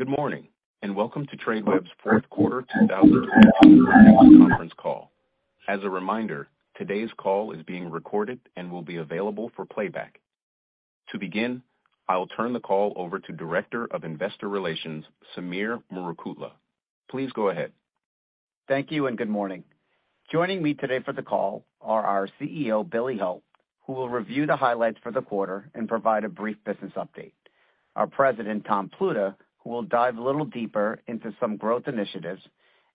Good morning, welcome to Tradeweb's fourth quarter 2022 earnings conference call. As a reminder, today's call is being recorded and will be available for playback. To begin, I will turn the call over to Director of Investor Relations, Sameer Murukutla. Please go ahead. Thank you. Good morning. Joining me today for the call are our CEO, Billy Hult, who will review the highlights for the quarter and provide a brief business update, our President, Thomas Pluta, who will dive a little deeper into some growth initiatives,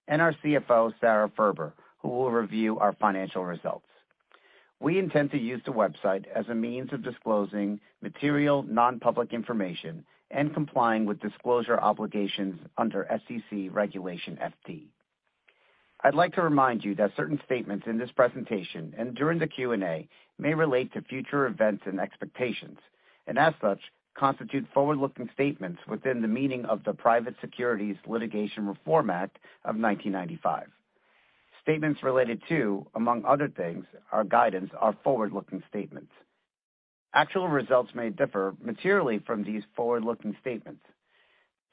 our CFO, Sara Furber, who will review our financial results. We intend to use the website as a means of disclosing material non-public information and complying with disclosure obligations under SEC Regulation FD. I'd like to remind you that certain statements in this presentation and during the Q&A may relate to future events and expectations, as such, constitute forward-looking statements within the meaning of the Private Securities Litigation Reform Act of 1995. Statements related to, among other things, our guidance are forward-looking statements. Actual results may differ materially from these forward-looking statements.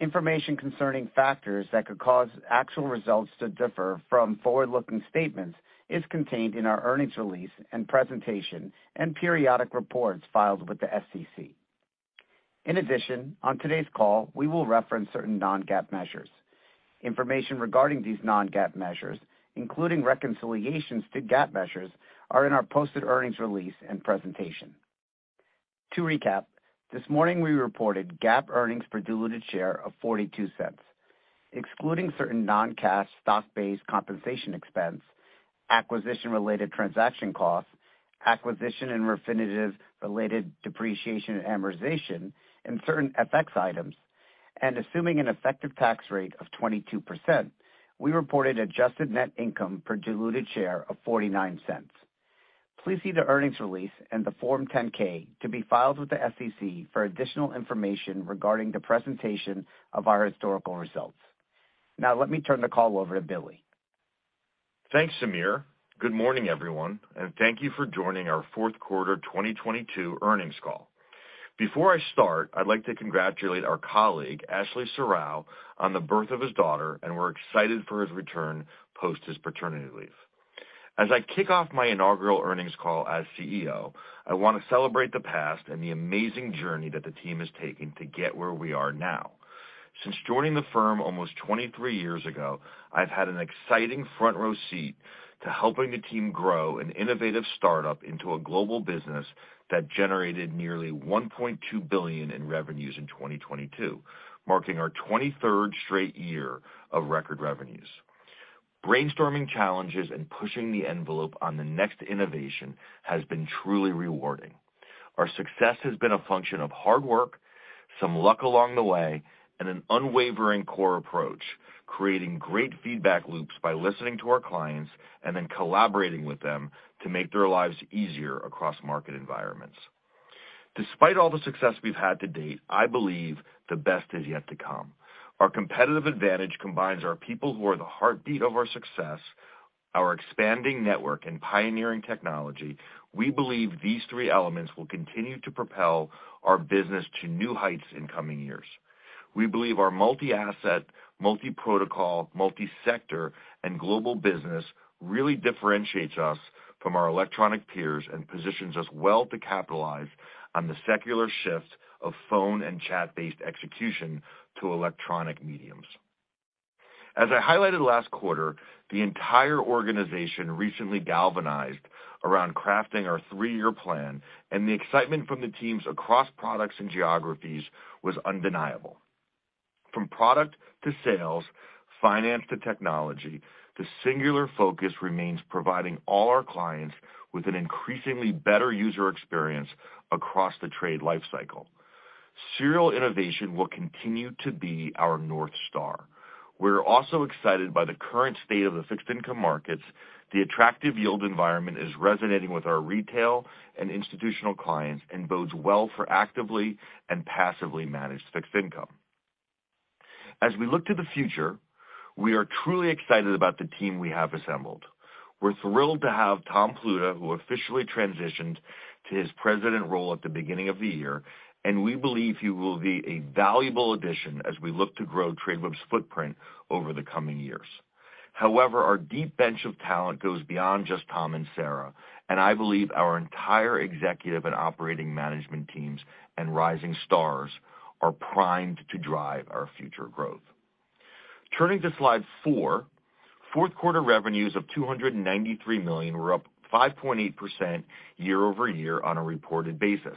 Information concerning factors that could cause actual results to differ from forward-looking statements is contained in our earnings release and presentation and periodic reports filed with the SEC. In addition, on today's call, we will reference certain non-GAAP measures. Information regarding these non-GAAP measures, including reconciliations to GAAP measures, are in our posted earnings release and presentation. To recap, this morning we reported GAAP earnings per diluted share of $0.42. Excluding certain non-cash stock-based compensation expense, acquisition-related transaction costs, acquisition and Refinitiv-related depreciation and amortization, and certain FX items, and assuming an effective tax rate of 22%, we reported adjusted net income per diluted share of $0.49. Please see the earnings release and the Form 10-K to be filed with the SEC for additional information regarding the presentation of our historical results. Now let me turn the call over to Billy. Thanks, Sameer. Good morning, everyone, and thank you for joining our fourth quarter 2022 earnings call. Before I start, I'd like to congratulate our colleague, Ashley Serrao, on the birth of his daughter, and we're excited for his return post his paternity leave. As I kick off my inaugural earnings call as CEO, I wanna celebrate the past and the amazing journey that the team has taken to get where we are now. Since joining the firm almost 23 years ago, I've had an exciting front-row seat to helping the team grow an innovative startup into a global business that generated nearly $1.2 billion in revenues in 2022, marking our 23rd straight year of record revenues. Brainstorming challenges and pushing the envelope on the next innovation has been truly rewarding. Our success has been a function of hard work, some luck along the way, and an unwavering core approach, creating great feedback loops by listening to our clients and then collaborating with them to make their lives easier across market environments. Despite all the success we've had to date, I believe the best is yet to come. Our competitive advantage combines our people who are the heartbeat of our success, our expanding network in pioneering technology. We believe these three elements will continue to propel our business to new heights in coming years. We believe our multi-asset, multi-protocol, multi-sector and global business really differentiates us from our electronic peers and positions us well to capitalize on the secular shift of phone and chat-based execution to electronic mediums. As I highlighted last quarter, the entire organization recently galvanized around crafting our three-year plan, and the excitement from the teams across products and geographies was undeniable. From product to sales, finance to technology, the singular focus remains providing all our clients with an increasingly better user experience across the trade life cycle. Serial innovation will continue to be our North Star. We're also excited by the current state of the fixed income markets. The attractive yield environment is resonating with our retail and institutional clients and bodes well for actively and passively managed fixed income. As we look to the future, we are truly excited about the team we have assembled. We're thrilled to have Tom Pluta, who officially transitioned to his president role at the beginning of the year, and we believe he will be a valuable addition as we look to grow Tradeweb's footprint over the coming years. Our deep bench of talent goes beyond just Tom and Sara, and I believe our entire executive and operating management teams and rising stars are primed to drive our future growth. Turning to slide 4. Fourth quarter revenues of $293 million were up 5.8% year-over-year on a reported basis.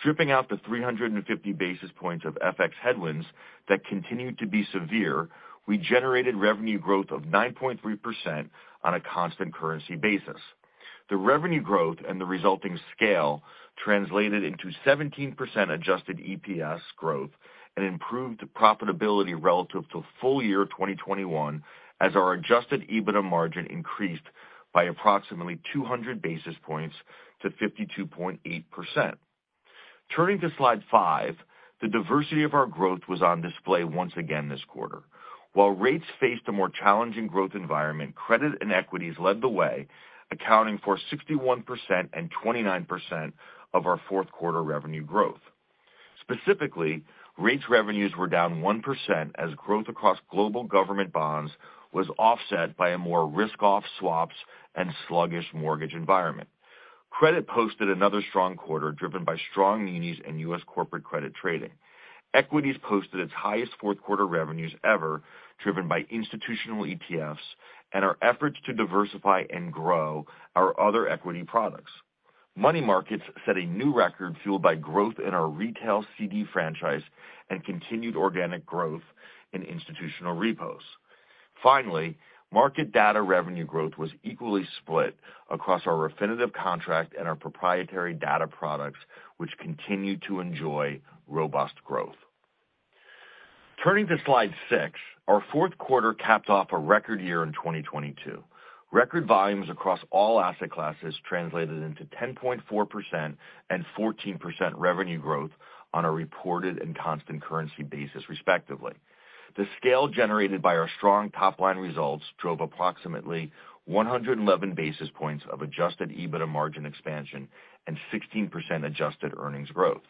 Stripping out the 350 basis points of FX headwinds that continued to be severe, we generated revenue growth of 9.3% on a constant currency basis. The revenue growth and the resulting scale translated into 17% adjusted EPS growth and improved profitability relative to full year 2021, as our adjusted EBITDA margin increased by approximately 200 basis points to 52.8%. Turning to slide 5, the diversity of our growth was on display once again this quarter. While rates faced a more challenging growth environment, credit and equities led the way, accounting for 61% and 29% of our fourth quarter revenue growth. Specifically, rates revenues were down 1% as growth across global government bonds was offset by a more risk-off swaps and sluggish mortgage environment. Credit posted another strong quarter driven by strong munis and U.S. corporate credit trading. Equities posted its highest fourth quarter revenues ever, driven by institutional ETFs and our efforts to diversify and grow our other equity products. Money markets set a new record fueled by growth in our retail CD franchise and continued organic growth in institutional repos. Market data revenue growth was equally split across our Refinitiv contract and our proprietary data products, which continue to enjoy robust growth. Turning to slide 6, our fourth quarter capped off a record year in 2022. Record volumes across all asset classes translated into 10.4% and 14% revenue growth on a reported and constant currency basis, respectively. The scale generated by our strong top-line results drove approximately 111 basis points of adjusted EBITDA margin expansion and 16% adjusted earnings growth.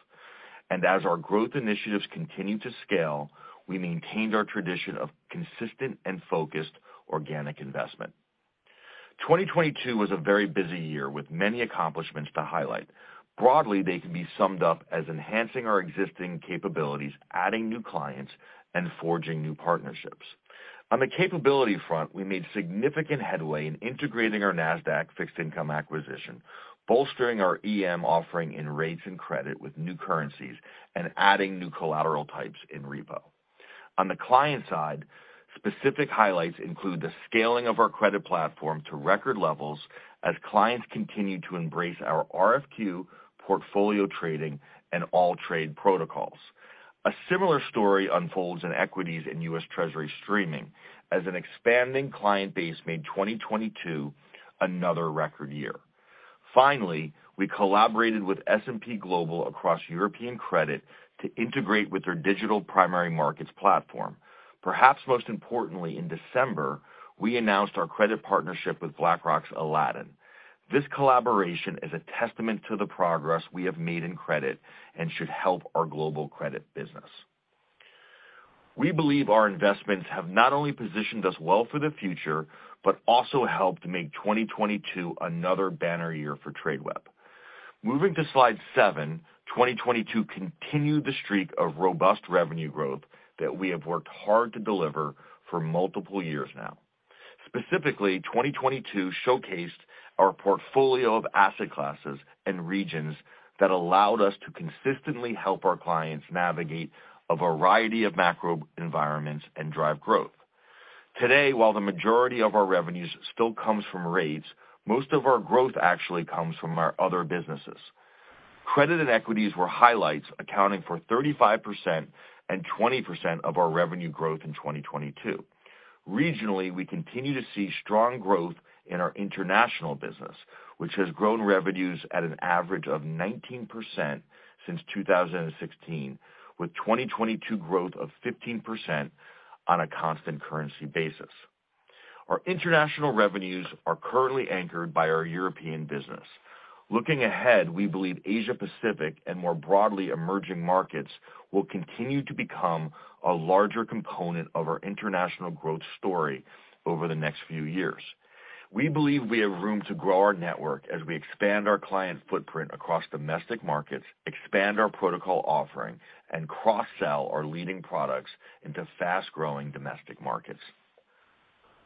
As our growth initiatives continue to scale, we maintained our tradition of consistent and focused organic investment. 2022 was a very busy year with many accomplishments to highlight. Broadly, they can be summed up as enhancing our existing capabilities, adding new clients, and forging new partnerships. On the capability front, we made significant headway in integrating our Nasdaq fixed income acquisition, bolstering our EM offering in rates and credit with new currencies, and adding new collateral types in repo. On the client side, specific highlights include the scaling of our credit platform to record levels as clients continue to embrace our RFQ portfolio trading and AllTrade protocols. A similar story unfolds in equities in U.S. Treasury streaming as an expanding client base made 2022 another record year. Finally, we collaborated with S&P Global across European Credit to integrate with their digital primary markets platform. Perhaps most importantly, in December, we announced our credit partnership with BlackRock's Aladdin. This collaboration is a testament to the progress we have made in credit and should help our global credit business. We believe our investments have not only positioned us well for the future, but also helped make 2022 another banner year for Tradeweb. Moving to slide 7, 2022 continued the streak of robust revenue growth that we have worked hard to deliver for multiple years now. Specifically, 2022 showcased our portfolio of asset classes and regions that allowed us to consistently help our clients navigate a variety of macro environments and drive growth. Today, while the majority of our revenues still comes from rates, most of our growth actually comes from our other businesses. Credit and equities were highlights, accounting for 35% and 20% of our revenue growth in 2022. Regionally, we continue to see strong growth in our international business, which has grown revenues at an average of 19% since 2016, with 2022 growth of 15% on a constant currency basis. Our international revenues are currently anchored by our European business. Looking ahead, we believe Asia-Pacific and more broadly emerging markets will continue to become a larger component of our international growth story over the next few years. We believe we have room to grow our network as we expand our clients' footprint across domestic markets, expand our protocol offering, and cross-sell our leading products into fast-growing domestic markets.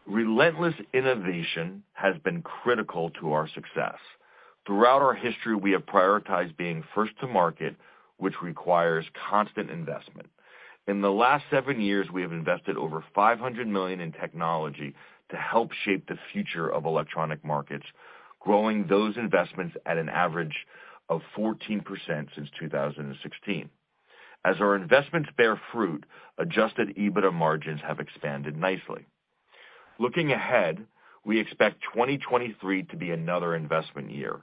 Relentless innovation has been critical to our success. Throughout our history, we have prioritized being first to market, which requires constant investment. In the last seven years, we have invested over $500 million in technology to help shape the future of electronic markets, growing those investments at an average of 14% since 2016. As our investments bear fruit, adjusted EBITDA margins have expanded nicely. Looking ahead, we expect 2023 to be another investment year.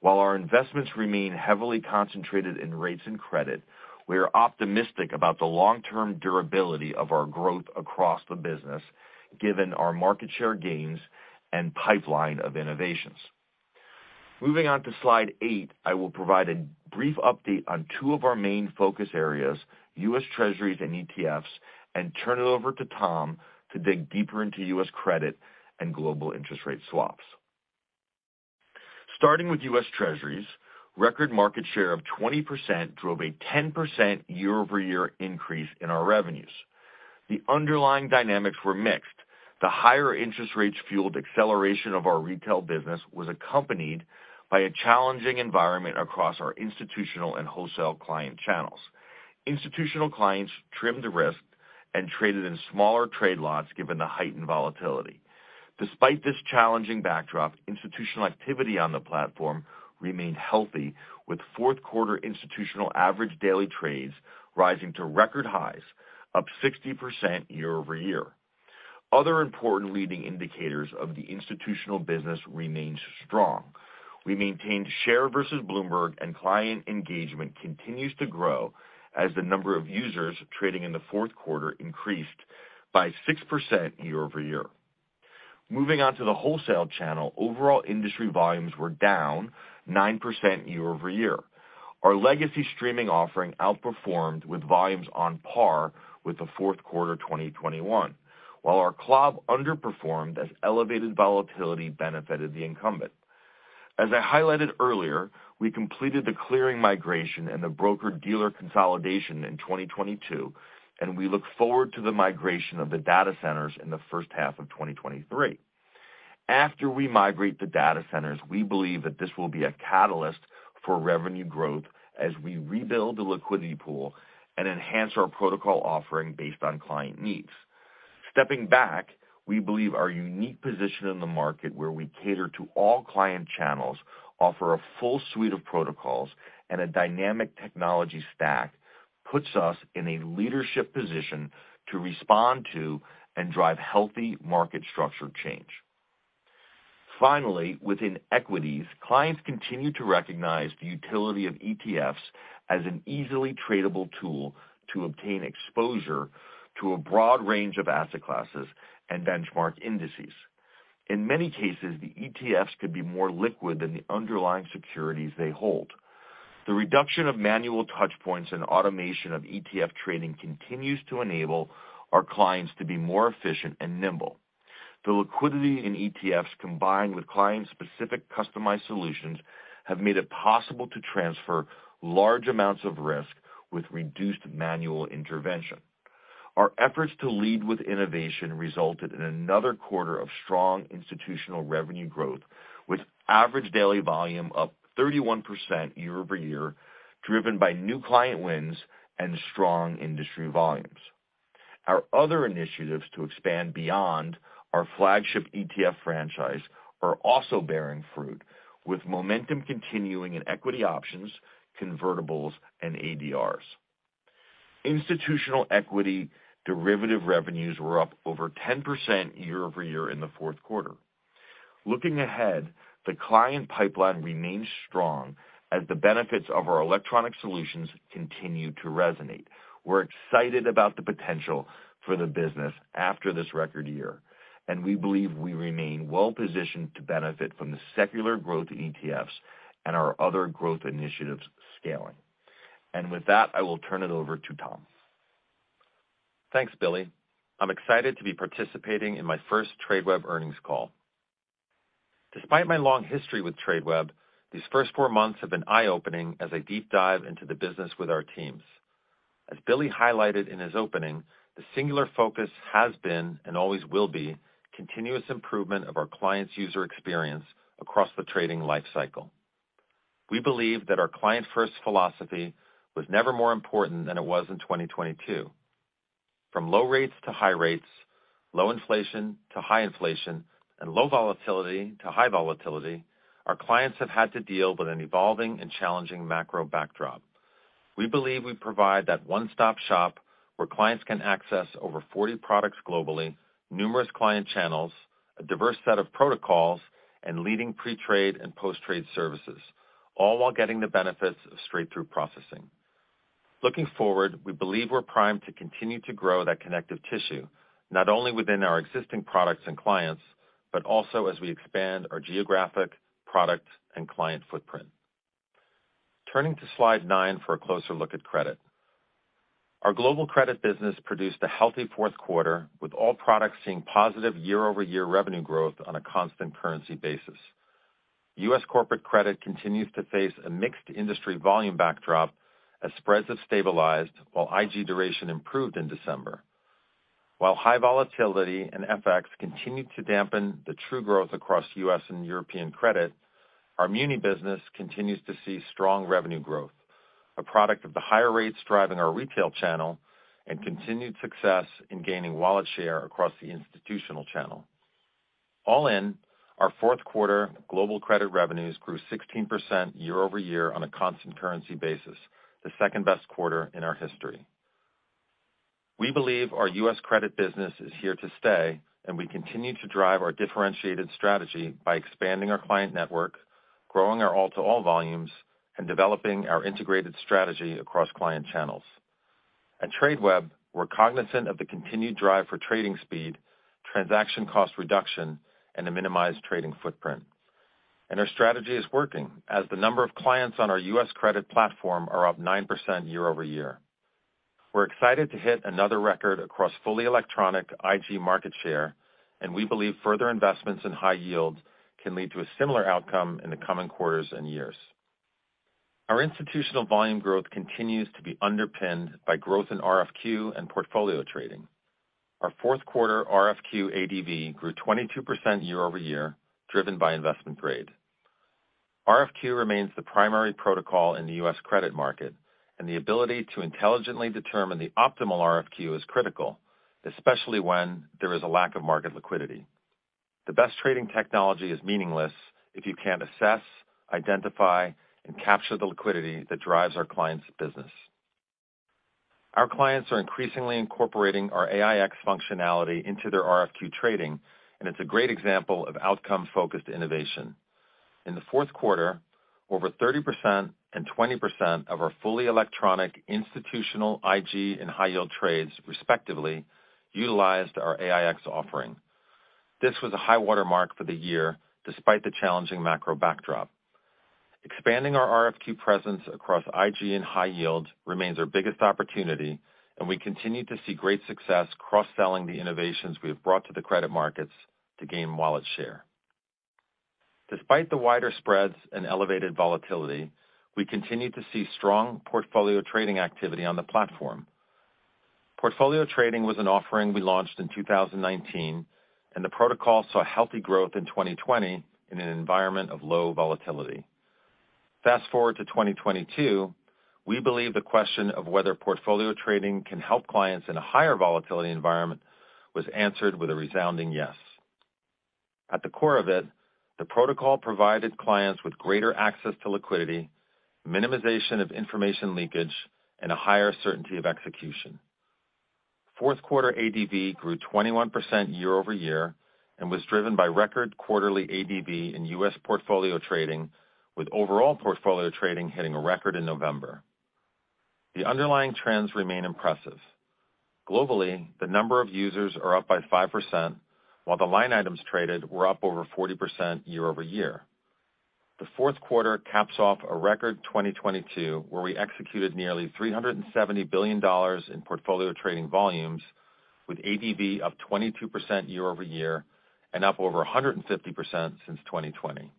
While our investments remain heavily concentrated in rates and credit, we are optimistic about the long-term durability of our growth across the business, given our market share gains and pipeline of innovations. Moving on to slide 8, I will provide a brief update on two of our main focus areas, U.S. Treasuries and ETFs, and turn it over to Tom to dig deeper into U.S. credit and global interest rate swaps. Starting with U.S. Treasuries, record market share of 20% drove a 10% year-over-year increase in our revenues. The underlying dynamics were mixed. The higher interest rates fueled acceleration of our retail business was accompanied by a challenging environment across our institutional and wholesale client channels. Institutional clients trimmed risk and traded in smaller trade lots given the heightened volatility. Despite this challenging backdrop, institutional activity on the platform remained healthy, with fourth quarter institutional average daily trades rising to record highs, up 60% year-over-year. Other important leading indicators of the institutional business remains strong. We maintained share versus Bloomberg. Client engagement continues to grow as the number of users trading in the fourth quarter increased by 6% year-over-year. Moving on to the wholesale channel, overall industry volumes were down 9% year-over-year. Our legacy streaming offering outperformed with volumes on par with the fourth quarter 2021, while our CLOB underperformed as elevated volatility benefited the incumbent. As I highlighted earlier, we completed the clearing migration and the broker-dealer consolidation in 2022, and we look forward to the migration of the data centers in the first half of 2023. After we migrate the data centers, we believe that this will be a catalyst for revenue growth as we rebuild the liquidity pool and enhance our protocol offering based on client needs. Stepping back, we believe our unique position in the market, where we cater to all client channels, offer a full suite of protocols, and a dynamic technology stack, puts us in a leadership position to respond to and drive healthy market structure change. Finally, within equities, clients continue to recognize the utility of ETFs as an easily tradable tool to obtain exposure to a broad range of asset classes and benchmark indices. In many cases, the ETFs could be more liquid than the underlying securities they hold. The reduction of manual touch points and automation of ETF trading continues to enable our clients to be more efficient and nimble. The liquidity in ETFs, combined with client-specific customized solutions, have made it possible to transfer large amounts of risk with reduced manual intervention. Our efforts to lead with innovation resulted in another quarter of strong institutional revenue growth, with average daily volume up 31% year-over-year, driven by new client wins and strong industry volumes. Our other initiatives to expand beyond our flagship ETF franchise are also bearing fruit, with momentum continuing in equity options, convertibles, and ADRs. Institutional equity derivative revenues were up over 10% year-over-year in the fourth quarter. Looking ahead, the client pipeline remains strong as the benefits of our electronic solutions continue to resonate. We're excited about the potential for the business after this record year, and we believe we remain well-positioned to benefit from the secular growth ETFs and our other growth initiatives scaling. With that, I will turn it over to Tom. Thanks, Billy. I'm excited to be participating in my first Tradeweb earnings call. Despite my long history with Tradeweb, these first four months have been eye-opening as I deep dive into the business with our teams. As Billy highlighted in his opening, the singular focus has been and always will be continuous improvement of our clients' user experience across the trading life cycle. We believe that our client-first philosophy was never more important than it was in 2022. From low rates to high rates, low inflation to high inflation, and low volatility to high volatility, our clients have had to deal with an evolving and challenging macro backdrop. We believe we provide that one-stop shop where clients can access over 40 products globally, numerous client channels, a diverse set of protocols, and leading pre-trade and post-trade services, all while getting the benefits of straight-through processing. Looking forward, we believe we're primed to continue to grow that connective tissue, not only within our existing products and clients, but also as we expand our geographic, product, and client footprint. Turning to slide 9 for a closer look at credit. Our global credit business produced a healthy fourth quarter, with all products seeing positive year-over-year revenue growth on a constant currency basis. U.S. corporate credit continues to face a mixed industry volume backdrop as spreads have stabilized while IG duration improved in December. While high volatility and FX continued to dampen the true growth across U.S. and European credit, our muni business continues to see strong revenue growth, a product of the higher rates driving our retail channel and continued success in gaining wallet share across the institutional channel. All in, our fourth quarter global credit revenues grew 16% year-over-year on a constant currency basis, the second-best quarter in our history. We believe our U.S. credit business is here to stay. We continue to drive our differentiated strategy by expanding our client network, growing our all-to-all volumes, and developing our integrated strategy across client channels. At Tradeweb, we're cognizant of the continued drive for trading speed, transaction cost reduction, and a minimized trading footprint. Our strategy is working, as the number of clients on our U.S. credit platform are up 9% year-over-year. We're excited to hit another record across fully electronic IG market share. We believe further investments in high yield can lead to a similar outcome in the coming quarters and years. Our institutional volume growth continues to be underpinned by growth in RFQ and portfolio trading. Our fourth quarter RFQ ADV grew 22% year-over-year, driven by investment grade. RFQ remains the primary protocol in the U.S. credit market. The ability to intelligently determine the optimal RFQ is critical, especially when there is a lack of market liquidity. The best trading technology is meaningless if you can't assess, identify, and capture the liquidity that drives our clients' business. Our clients are increasingly incorporating our AiEX functionality into their RFQ trading, and it's a great example of outcome-focused innovation. In the fourth quarter, over 30% and 20% of our fully electronic institutional IG and high yield trades, respectively, utilized our AiEX offering. This was a high water mark for the year despite the challenging macro backdrop. Expanding our RFQ presence across IG and high yield remains our biggest opportunity, and we continue to see great success cross-selling the innovations we have brought to the credit markets to gain wallet share. Despite the wider spreads and elevated volatility, we continue to see strong portfolio trading activity on the platform. Portfolio trading was an offering we launched in 2019, and the protocol saw healthy growth in 2020 in an environment of low volatility. Fast-forward to 2022, we believe the question of whether portfolio trading can help clients in a higher volatility environment was answered with a resounding yes. At the core of it, the protocol provided clients with greater access to liquidity, minimization of information leakage, and a higher certainty of execution. Fourth quarter ADV grew 21% year-over-year and was driven by record quarterly ADV in U.S. portfolio trading, with overall portfolio trading hitting a record in November. The underlying trends remain impressive. Globally, the number of users are up by 5%, while the line items traded were up over 40% year-over-year. The fourth quarter caps off a record 2022, where we executed nearly $370 billion in portfolio trading volumes with ADV of 22% year-over-year and up over 150% since 2020.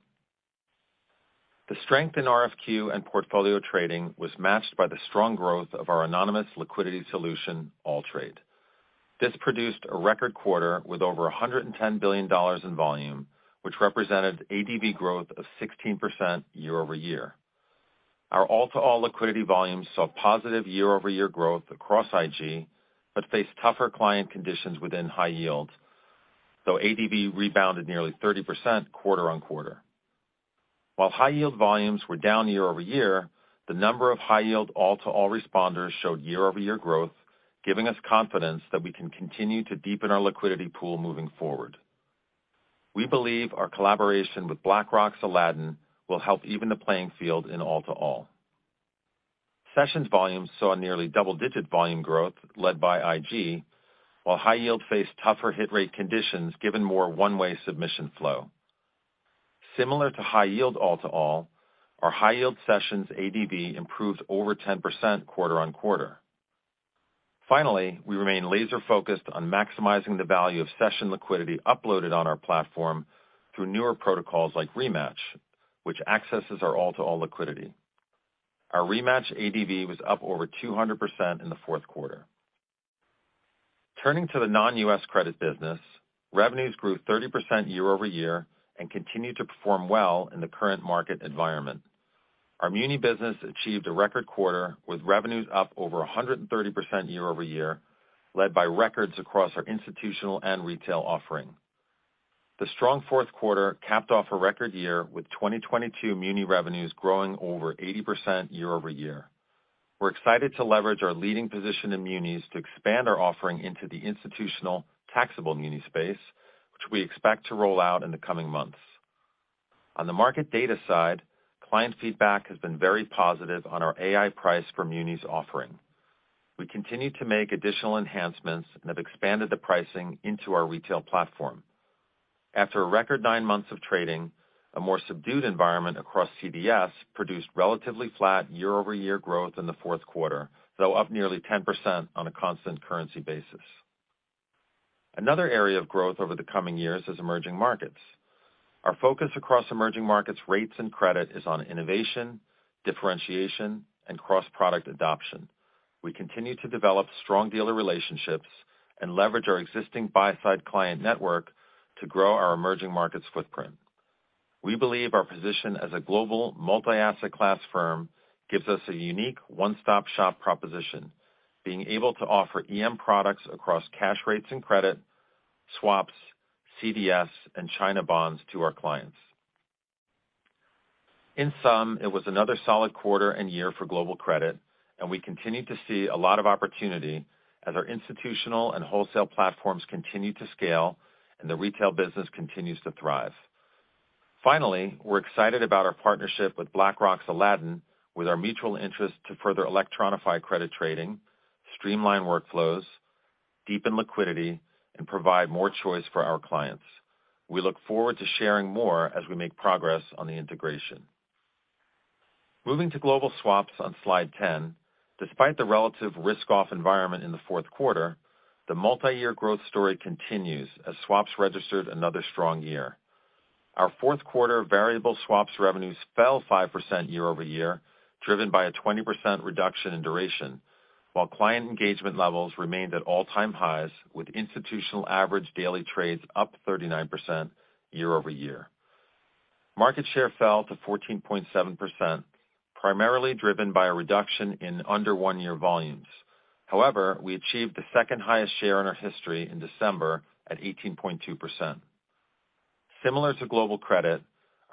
The strength in RFQ and portfolio trading was matched by the strong growth of our anonymous liquidity solution, AllTrade. This produced a record quarter with over $110 billion in volume, which represented ADV growth of 16% year-over-year. Our all-to-all liquidity volumes saw positive year-over-year growth across IG, but faced tougher client conditions within high yield, though ADV rebounded nearly 30% quarter-on-quarter. While high yield volumes were down year-over-year, the number of high-yield all-to-all responders showed year-over-year growth, giving us confidence that we can continue to deepen our liquidity pool moving forward. We believe our collaboration with BlackRock's Aladdin will help even the playing field in all-to-all. Sessions volumes saw nearly double-digit volume growth led by IG, while high yield faced tougher hit rate conditions given more one-way submission flow. Similar to high yield all-to-all, our high-yield Sessions ADV improved over 10% quarter-on-quarter. Finally, we remain laser-focused on maximizing the value of Session liquidity uploaded on our platform through newer protocols like Rematch, which accesses our all-to-all liquidity. Our Rematch ADV was up over 200% in the fourth quarter. Turning to the non-U.S. credit business, revenues grew 30% year-over-year and continued to perform well in the current market environment. Our muni business achieved a record quarter with revenues up over 130% year-over-year, led by records across our institutional and retail offering. The strong fourth quarter capped off a record year with 2022 muni revenues growing over 80% year-over-year. We're excited to leverage our leading position in munis to expand our offering into the institutional taxable muni space, which we expect to roll out in the coming months. On the market data side, client feedback has been very positive on our Ai-Price for Munis offering. We continue to make additional enhancements and have expanded the pricing into our retail platform. After a record nine months of trading, a more subdued environment across CDS produced relatively flat year-over-year growth in the fourth quarter, though up nearly 10% on a constant currency basis. Another area of growth over the coming years is emerging markets. Our focus across emerging markets rates and credit is on innovation, differentiation, and cross-product adoption. We continue to develop strong dealer relationships and leverage our existing buy-side client network to grow our emerging markets footprint. We believe our position as a global multi-asset class firm gives us a unique one-stop-shop proposition, being able to offer EM products across cash rates and credit, swaps, CDS, and China bonds to our clients. In sum, it was another solid quarter and year for global credit. We continue to see a lot of opportunity as our institutional and wholesale platforms continue to scale and the retail business continues to thrive. We're excited about our partnership with BlackRock's Aladdin, with our mutual interest to further electronify credit trading, streamline workflows, deepen liquidity, and provide more choice for our clients. We look forward to sharing more as we make progress on the integration. Moving to global swaps on slide 10, despite the relative risk-off environment in the fourth quarter, the multiyear growth story continues as swaps registered another strong year. Our fourth quarter variable swaps revenues fell 5% year-over-year, driven by a 20% reduction in duration, while client engagement levels remained at all-time highs, with institutional average daily trades up 39% year-over-year. Market share fell to 14.7%, primarily driven by a reduction in under 1-year volumes. However, we achieved the second highest share in our history in December at 18.2%. Similar to global credit,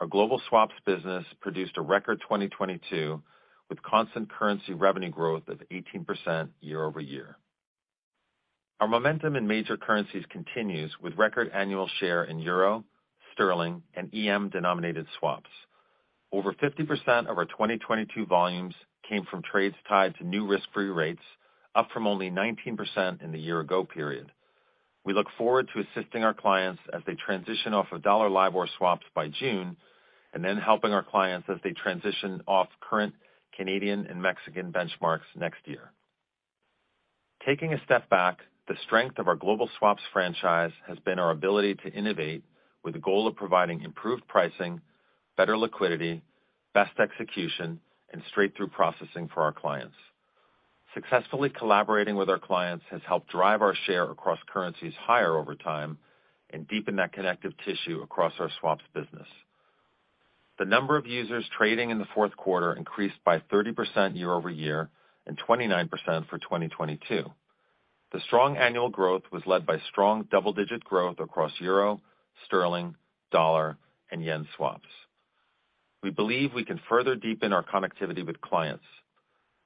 our global swaps business produced a record 2022 with constant currency revenue growth of 18% year-over-year. Our momentum in major currencies continues with record annual share in Euro, sterling, and EM-denominated swaps. Over 50% of our 2022 volumes came from trades tied to new risk-free rates, up from only 19% in the year-ago period. We look forward to assisting our clients as they transition off of dollar LIBOR swaps by June, and then helping our clients as they transition off current Canadian and Mexican benchmarks next year. Taking a step back, the strength of our global swaps franchise has been our ability to innovate with the goal of providing improved pricing, better liquidity, best execution, and straight-through processing for our clients. Successfully collaborating with our clients has helped drive our share across currencies higher over time and deepen that connective tissue across our swaps business. The number of users trading in the fourth quarter increased by 30% year-over-year and 29% for 2022. The strong annual growth was led by strong double-digit growth across Euro, sterling, dollar, and yen swaps. We believe we can further deepen our connectivity with clients.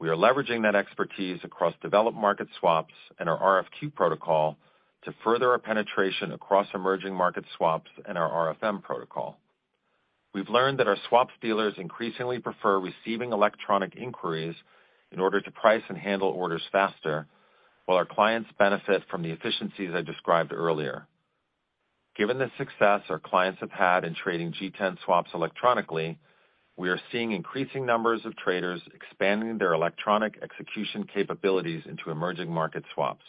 We are leveraging that expertise across developed market swaps and our RFQ protocol to further our penetration across emerging market swaps and our RFM protocol. We've learned that our swaps dealers increasingly prefer receiving electronic inquiries in order to price and handle orders faster, while our clients benefit from the efficiencies I described earlier. Given the success our clients have had in trading G10 swaps electronically, we are seeing increasing numbers of traders expanding their electronic execution capabilities into emerging market swaps.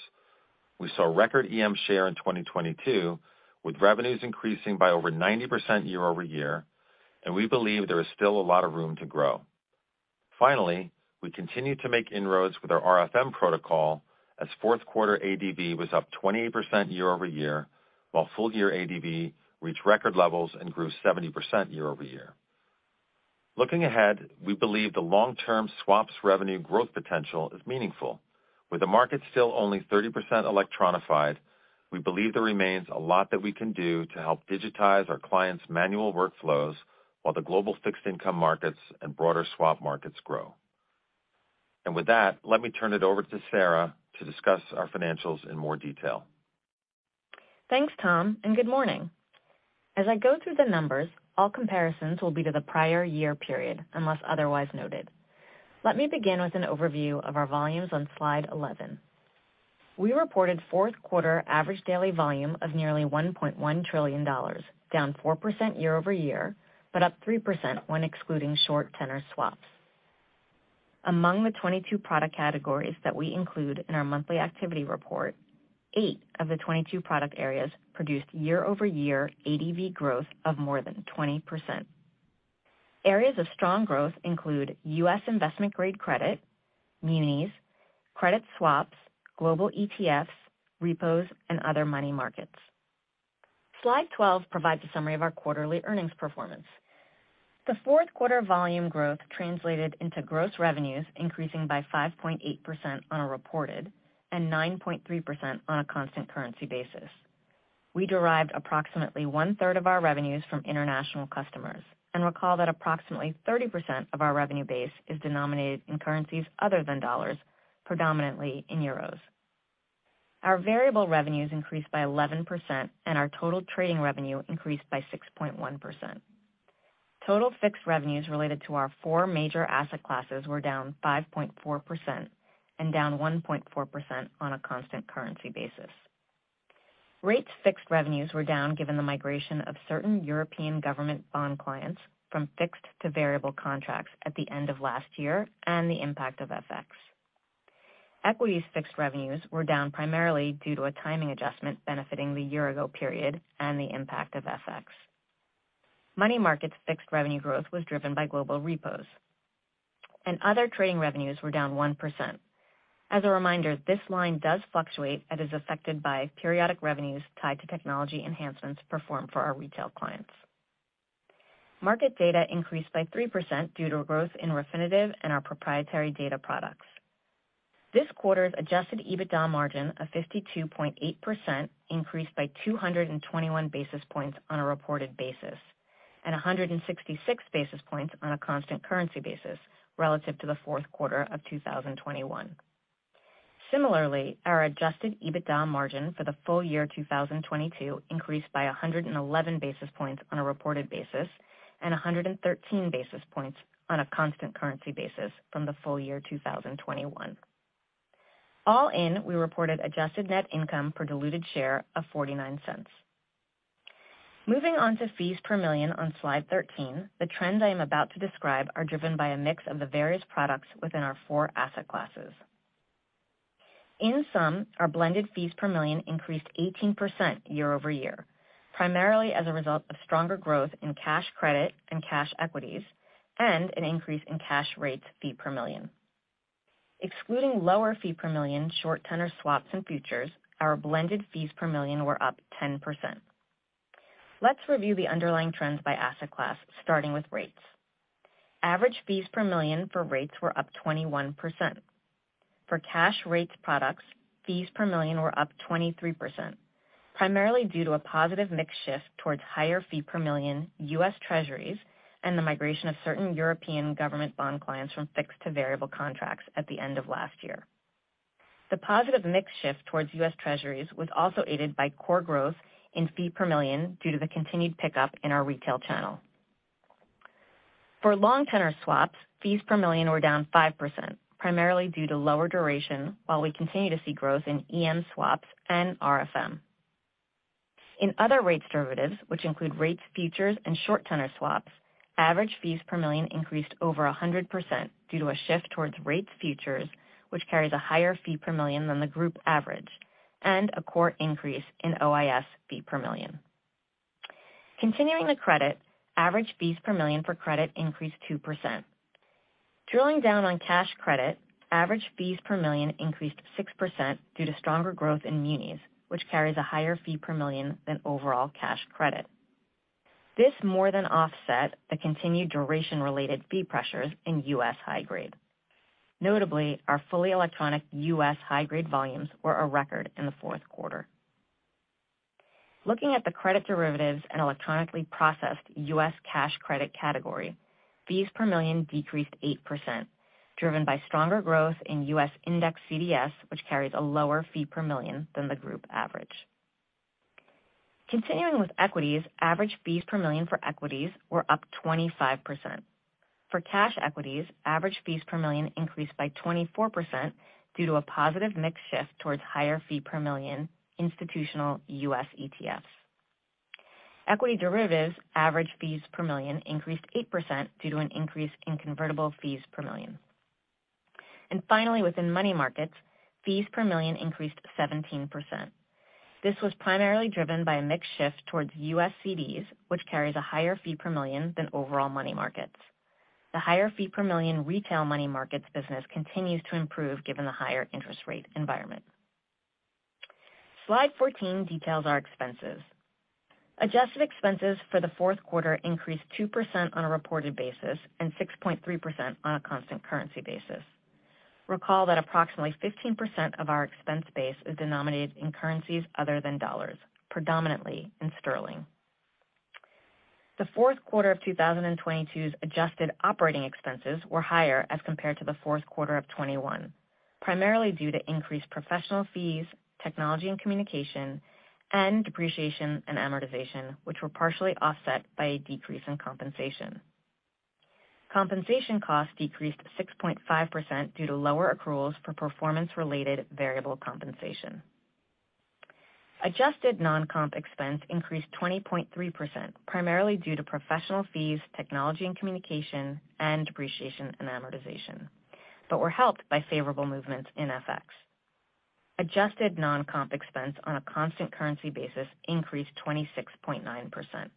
We saw record EM share in 2022, with revenues increasing by over 90% year-over-year. We believe there is still a lot of room to grow. Finally, we continue to make inroads with our RFM protocol as fourth quarter ADV was up 28% year-over-year, while full-year ADV reached record levels and grew 70% year-over-year. Looking ahead, we believe the long-term swaps revenue growth potential is meaningful. With the market still only 30% electronified, we believe there remains a lot that we can do to help digitize our clients' manual workflows while the global fixed income markets and broader swap markets grow. With that, let me turn it over to Sara to discuss our financials in more detail. Thanks, Tom. Good morning. As I go through the numbers, all comparisons will be to the prior year period, unless otherwise noted. Let me begin with an overview of our volumes on slide 11. We reported fourth quarter average daily volume of nearly $1.1 trillion, down 4% year-over-year, up 3% when excluding short tenor swaps. Among the 22 product categories that we include in our monthly activity report, 8 of the 22 product areas produced year-over-year ADV growth of more than 20%. Areas of strong growth include U.S. investment-grade credit, munis, credit swaps, global ETFs, repos, and other money markets. Slide 12 provides a summary of our quarterly earnings performance. The fourth quarter volume growth translated into gross revenues increasing by 5.8% on a reported and 9.3% on a constant currency basis. We derived approximately 1/3 of our revenues from international customers and recall that approximately 30% of our revenue base is denominated in currencies other than dollars, predominantly in euros. Our variable revenues increased by 11% and our total trading revenue increased by 6.1%. Total fixed revenues related to our 4 major asset classes were down 5.4% and down 1.4% on a constant currency basis. Rates fixed revenues were down given the migration of certain European government bond clients from fixed to variable contracts at the end of last year and the impact of FX. Equities fixed revenues were down primarily due to a timing adjustment benefiting the year-ago period and the impact of FX. Money markets fixed revenue growth was driven by global repos. Other trading revenues were down 1%. As a reminder, this line does fluctuate and is affected by periodic revenues tied to technology enhancements performed for our retail clients. Market data increased by 3% due to growth in Refinitiv and our proprietary data products. This quarter's adjusted EBITDA margin of 52.8% increased by 221 basis points on a reported basis, and 166 basis points on a constant currency basis relative to the fourth quarter of 2021. Similarly, our adjusted EBITDA margin for the full year 2022 increased by 111 basis points on a reported basis, and 113 basis points on a constant currency basis from the full year 2021. All in, we reported adjusted net income per diluted share of $0.49. Moving on to fees per million on slide 13. The trends I am about to describe are driven by a mix of the various products within our four asset classes. In sum, our blended fees per million increased 18% year-over-year, primarily as a result of stronger growth in cash credit and cash equities and an increase in cash rates fee per million. Excluding lower fee per million short-tenor swaps and futures, our blended fees per million were up 10%. Let's review the underlying trends by asset class, starting with rates. Average fees per million for rates were up 21%. For cash rates products, fees per million were up 23%. Primarily due to a positive mix shift towards higher fee per million U.S. Treasuries and the migration of certain European government bond clients from fixed to variable contracts at the end of last year. The positive mix shift towards U.S. Treasuries was also aided by core growth in fee per million due to the continued pickup in our retail channel. For long tenor swaps, fees per million were down 5%, primarily due to lower duration, while we continue to see growth in EM swaps and RFM. In other rates derivatives, which include rates, futures, and short tenor swaps, average fees per million increased over 100% due to a shift towards rates futures, which carries a higher fee per million than the group average, and a core increase in OIS fee per million. Continuing to credit, average fees per million for credit increased 2%. Drilling down on cash credit, average fees per million increased 6% due to stronger growth in munis, which carries a higher fee per million than overall cash credit. This more than offset the continued duration-related fee pressures in U.S. high grade. Notably, our fully electronic US high grade volumes were a record in the fourth quarter. Looking at the credit derivatives and electronically processed U.S. cash credit category, fees per million decreased 8%, driven by stronger growth in U.S. index CDS, which carries a lower fee per million than the group average. Continuing with equities, average fees per million for equities were up 25%. For cash equities, average fees per million increased by 24% due to a positive mix shift towards higher fee per million institutional US ETFs. Equity derivatives average fees per million increased 8% due to an increase in convertible fees per million. Finally, within money markets, fees per million increased 17%. This was primarily driven by a mix shift towards U.S. CDs, which carries a higher fee per million than overall money markets. The higher fee per million retail money markets business continues to improve given the higher interest rate environment. Slide 14 details our expenses. Adjusted expenses for the fourth quarter increased 2% on a reported basis and 6.3% on a constant currency basis. Recall that approximately 15% of our expense base is denominated in currencies other than dollars, predominantly in sterling. The fourth quarter of 2022's adjusted operating expenses were higher as compared to the fourth quarter of 2021, primarily due to increased professional fees, technology and communication, and depreciation and amortization, which were partially offset by a decrease in compensation. Compensation costs decreased 6.5% due to lower accruals for performance-related variable compensation. Adjusted non-comp expense increased 20.3%, primarily due to professional fees, technology and communication, and depreciation and amortization, but were helped by favorable movements in FX. Adjusted non-comp expense on a constant currency basis increased 26.9%.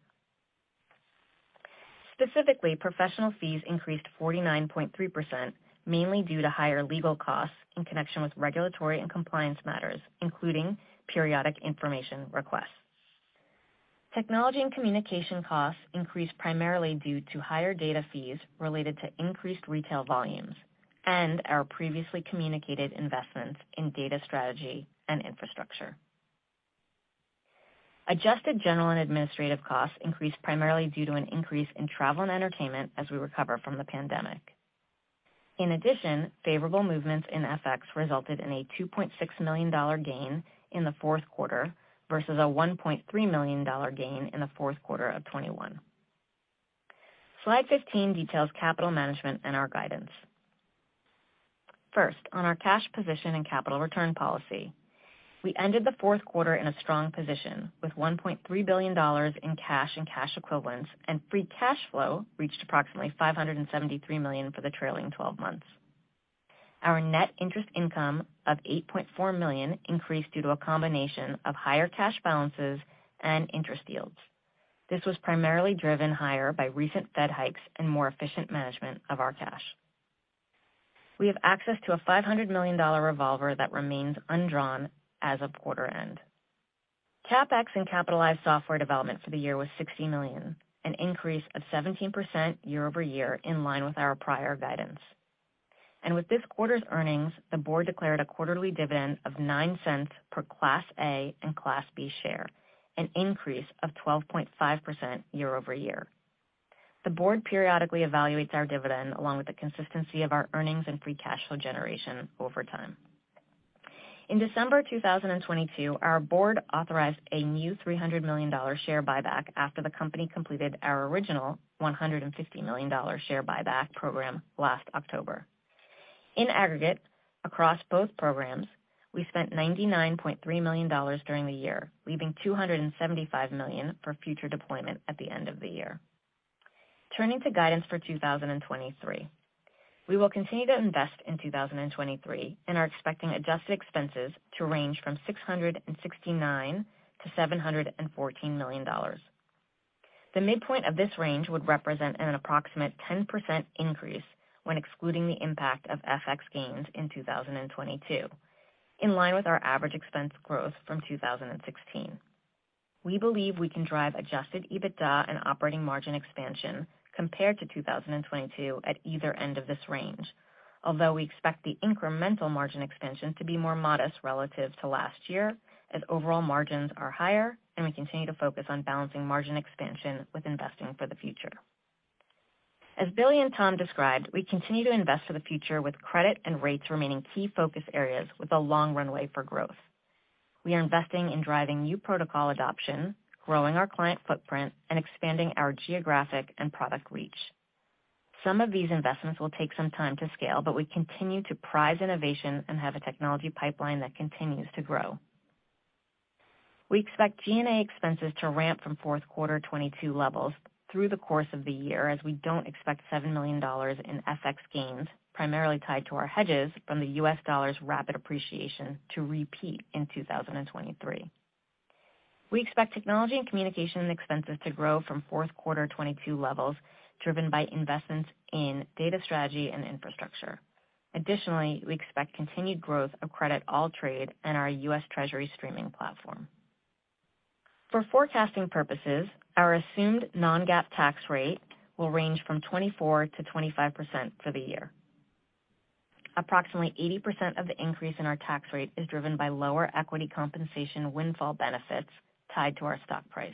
Specifically, professional fees increased 49.3%, mainly due to higher legal costs in connection with regulatory and compliance matters, including periodic information requests. Technology and communication costs increased primarily due to higher data fees related to increased retail volumes and our previously communicated investments in data strategy and infrastructure. Adjusted general and administrative costs increased primarily due to an increase in travel and entertainment as we recover from the pandemic. In addition, favorable movements in FX resulted in a $2.6 million gain in the fourth quarter versus a $1.3 million gain in the fourth quarter of 2021. Slide 15 details capital management and our guidance. First, on our cash position and capital return policy, we ended the fourth quarter in a strong position with $1.3 billion in cash and cash equivalents, and free cash flow reached approximately $573 million for the trailing twelve months. Our net interest income of $8.4 million increased due to a combination of higher cash balances and interest yields. This was primarily driven higher by recent Fed hikes and more efficient management of our cash. We have access to a $500 million revolver that remains undrawn as of quarter end. CapEx and capitalized software development for the year was $60 million, an increase of 17% year-over-year in line with our prior guidance. With this quarter's earnings, the board declared a quarterly dividend of $0.09 per Class A and Class B share, an increase of 12.5% year-over-year. The board periodically evaluates our dividend along with the consistency of our earnings and free cash flow generation over time. In December 2022, our board authorized a new $300 million share buyback after the company completed our original $150 million share buyback program last October. In aggregate, across both programs, we spent $99.3 million during the year, leaving $275 million for future deployment at the end of the year. Turning to guidance for 2023. We will continue to invest in 2023 and are expecting adjusted expenses to range from $669 million-$714 million. The midpoint of this range would represent an approximate 10% increase when excluding the impact of FX gains in 2022, in line with our average expense growth from 2016. We believe we can drive adjusted EBITDA and operating margin expansion compared to 2022 at either end of this range. Although we expect the incremental margin expansion to be more modest relative to last year as overall margins are higher and we continue to focus on balancing margin expansion with investing for the future. As Billy and Tom described, we continue to invest for the future with credit and rates remaining key focus areas with a long runway for growth. We are investing in driving new protocol adoption, growing our client footprint, and expanding our geographic and product reach. Some of these investments will take some time to scale, but we continue to prize innovation and have a technology pipeline that continues to grow. We expect G&A expenses to ramp from fourth quarter 2022 levels through the course of the year, as we don't expect $7 million in FX gains, primarily tied to our hedges from the U.S. dollar's rapid appreciation to repeat in 2023. We expect technology and communication expenses to grow from fourth quarter 2022 levels, driven by investments in data strategy and infrastructure. Additionally, we expect continued growth of credit AllTrade and our U.S. Treasury streaming platform. For forecasting purposes, our assumed non-GAAP tax rate will range from 24%-25% for the year. Approximately 80% of the increase in our tax rate is driven by lower equity compensation windfall benefits tied to our stock price.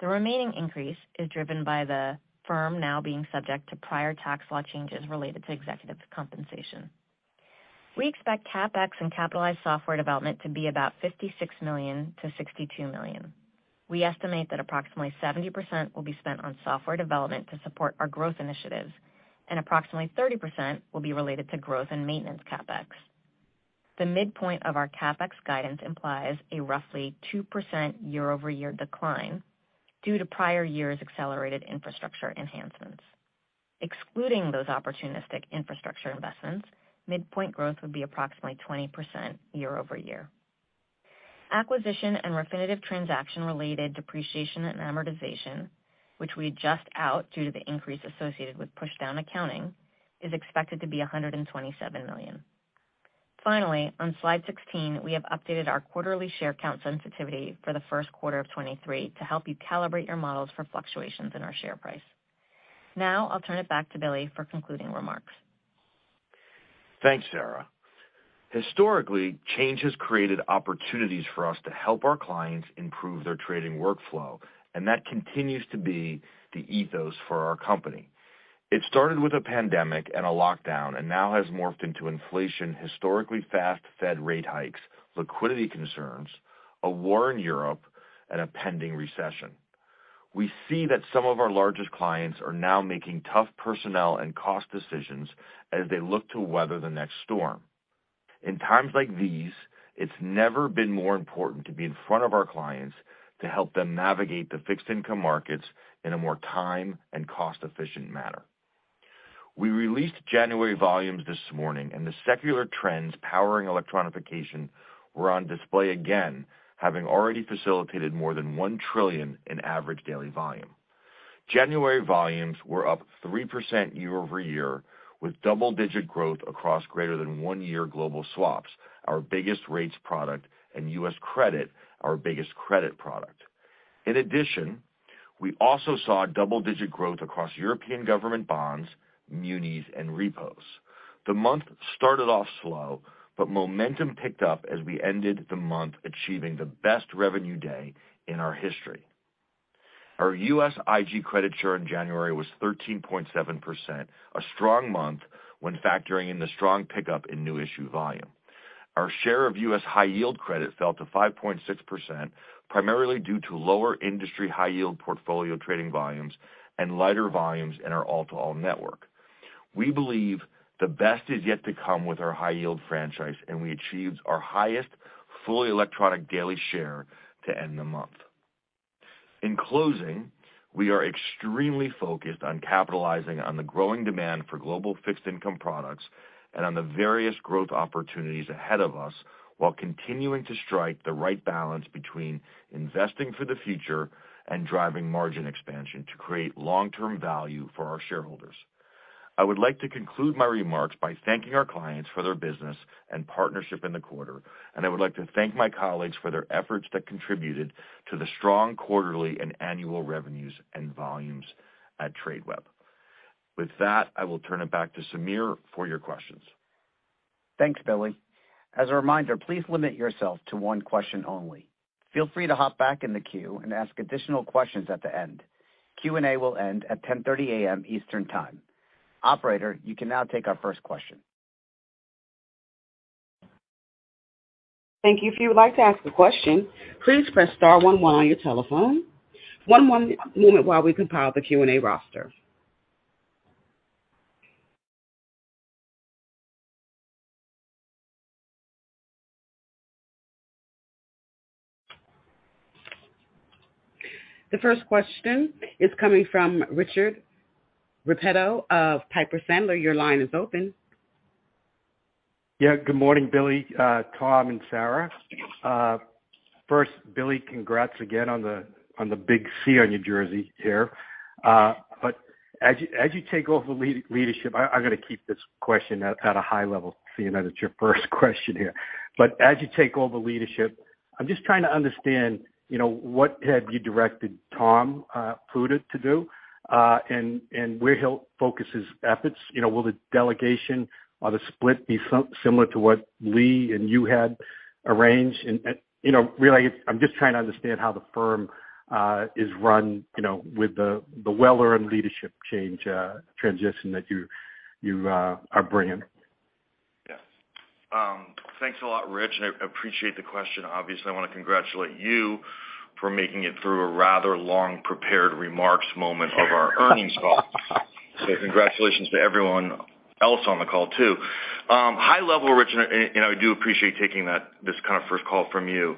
The remaining increase is driven by the firm now being subject to prior tax law changes related to executive compensation. We expect CapEx and capitalized software development to be about $56 million-$62 million. We estimate that approximately 70% will be spent on software development to support our growth initiatives, and approximately 30% will be related to growth and maintenance CapEx. The midpoint of our CapEx guidance implies a roughly 2% year-over-year decline due to prior years' accelerated infrastructure enhancements. Excluding those opportunistic infrastructure investments, midpoint growth would be approximately 20% year-over-year. Acquisition and Refinitiv transaction-related depreciation and amortization, which we adjust out due to the increase associated with push-down accounting, is expected to be $127 million. Finally, on slide 16, we have updated our quarterly share count sensitivity for the first quarter of 2023 to help you calibrate your models for fluctuations in our share price. I'll turn it back to Billy for concluding remarks. Thanks, Sara. Historically, change has created opportunities for us to help our clients improve their trading workflow, and that continues to be the ethos for our company. It started with a pandemic and a lockdown, and now has morphed into inflation, historically fast Fed rate hikes, liquidity concerns, a war in Europe, and a pending recession. We see that some of our largest clients are now making tough personnel and cost decisions as they look to weather the next storm. In times like these, it's never been more important to be in front of our clients to help them navigate the fixed income markets in a more time and cost-efficient manner. We released January volumes this morning, and the secular trends powering electronification were on display again, having already facilitated more than $1 trillion in average daily volume. January volumes were up 3% year-over-year, with double-digit growth across greater than one year global swaps, our biggest rates product, and U.S. credit, our biggest credit product. We also saw double-digit growth across European government bonds, munis, and repos. The month started off slow, momentum picked up as we ended the month achieving the best revenue day in our history. Our USIG credit share in January was 13.7%, a strong month when factoring in the strong pickup in new issue volume. Our share of U.S. high-yield credit fell to 5.6%, primarily due to lower industry high-yield portfolio trading volumes and lighter volumes in our all-to-all network. We believe the best is yet to come with our high-yield franchise, we achieved our highest fully electronic daily share to end the month. In closing, we are extremely focused on capitalizing on the growing demand for global fixed income products and on the various growth opportunities ahead of us, while continuing to strike the right balance between investing for the future and driving margin expansion to create long-term value for our shareholders. I would like to conclude my remarks by thanking our clients for their business and partnership in the quarter. I would like to thank my colleagues for their efforts that contributed to the strong quarterly and annual revenues and volumes at Tradeweb. With that, I will turn it back to Sameer for your questions. Thanks, Billy. As a reminder, please limit yourself to one question only. Feel free to hop back in the queue and ask additional questions at the end. Q&A will end at 10:30 A.M. Eastern Time. Operator, you can now take our first question. Thank you. If you would like to ask a question, please press star one one on your telephone. One moment while we compile the Q&A roster. The first question is coming from Richard Repetto of Piper Sandler. Your line is open. Yeah. Good morning, Billy, Tom, and Sara. First Billy, congrats again on the, on the big C on your jersey here. As you take over leadership, I'm gonna keep this question at a high level, seeing that it's your first question here. As you take over leadership, I'm just trying to understand, you know, what have you directed Tom Pluta to do, and where he'll focus his efforts. You know, will the delegation or the split be similar to what Lee and you had arranged? And, you know, really I'm just trying to understand how the firm is run, you know, with the Olesky and leadership change transition that you are bringing. Thanks a lot, Rich, I appreciate the question. Obviously, I wanna congratulate you for making it through a rather long prepared remarks moment of our earnings call. Congratulations to everyone else on the call too. High level, Rich, and I do appreciate taking this kind of first call from you.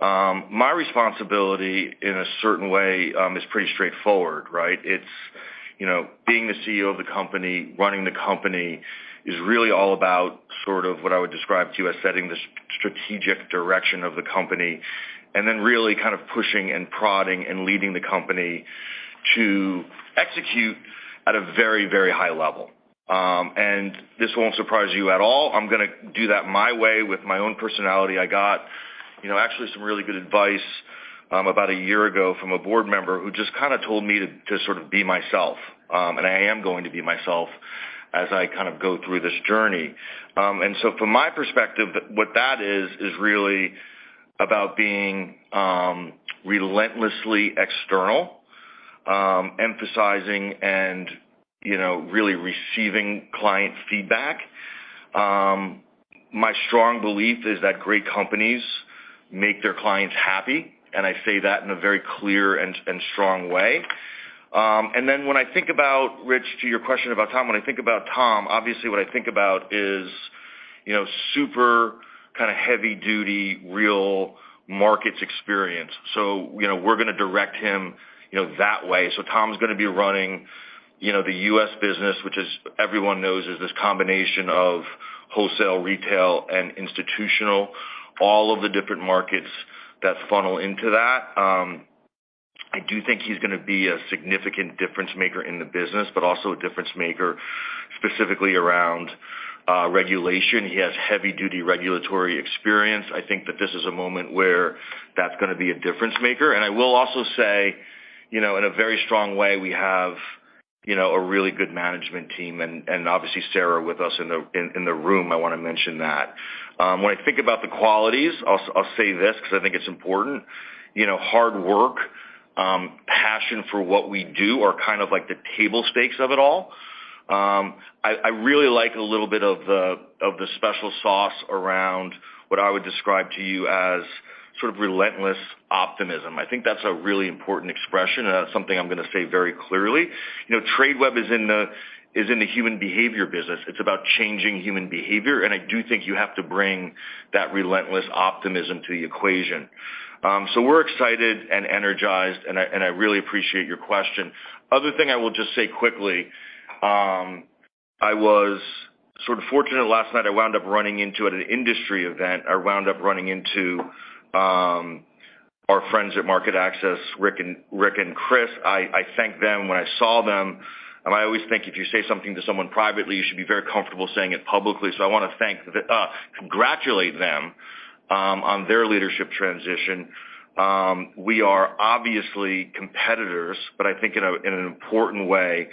My responsibility in a certain way is pretty straightforward, right? It's, you know, being the CEO of the company, running the company is really all about sort of what I would describe to you as setting the strategic direction of the company, and then really kind of pushing and prodding and leading the company to execute at a very, very high level. This won't surprise you at all. I'm gonna do that my way with my own personality. I got, you know, actually some really good advice, about a year ago from a board member who just kinda told me to sort of be myself. I am going to be myself as I kind of go through this journey. From my perspective, what that is really about being relentlessly external, emphasizing and, you know, really receiving client feedback. My strong belief is that great companies make their clients happy, and I say that in a very clear and strong way. When I think about, Rich, to your question about Tom, when I think about Tom, obviously what I think about is, you know, super kinda heavy duty, real markets experience. You know, we're gonna direct him, you know, that way. Tom's going to be running, you know, the U.S. business, which is, everyone knows, is this combination of wholesale, retail, and institutional, all of the different markets that funnel into that. I do think he's going to be a significant difference-maker in the business, but also a difference-maker specifically around regulation. He has heavy-duty regulatory experience. I think that this is a moment where that's going to be a difference-maker. I will also say, you know, in a very strong way, we have, you know, a really good management team and obviously Sara with us in the room. I want to mention that. When I think about the qualities, I'll say this because I think it's important. You know, hard work, passion for what we do are kind of like the table stakes of it all. I really like a little bit of the special sauce around what I would describe to you as sort of relentless optimism. I think that's a really important expression, and that's something I'm gonna say very clearly. You know, Tradeweb is in the human behavior business. It's about changing human behavior, and I do think you have to bring that relentless optimism to the equation. We're excited and energized, and I really appreciate your question. Other thing I will just say quickly, I was sort of fortunate last night. I wound up running into at an industry event. I wound up running into our friends at MarketAxess, Rick and Chris. I thanked them when I saw them. I always think if you say something to someone privately, you should be very comfortable saying it publicly. I wanna thank, congratulate them on their leadership transition. We are obviously competitors, but I think in an important way,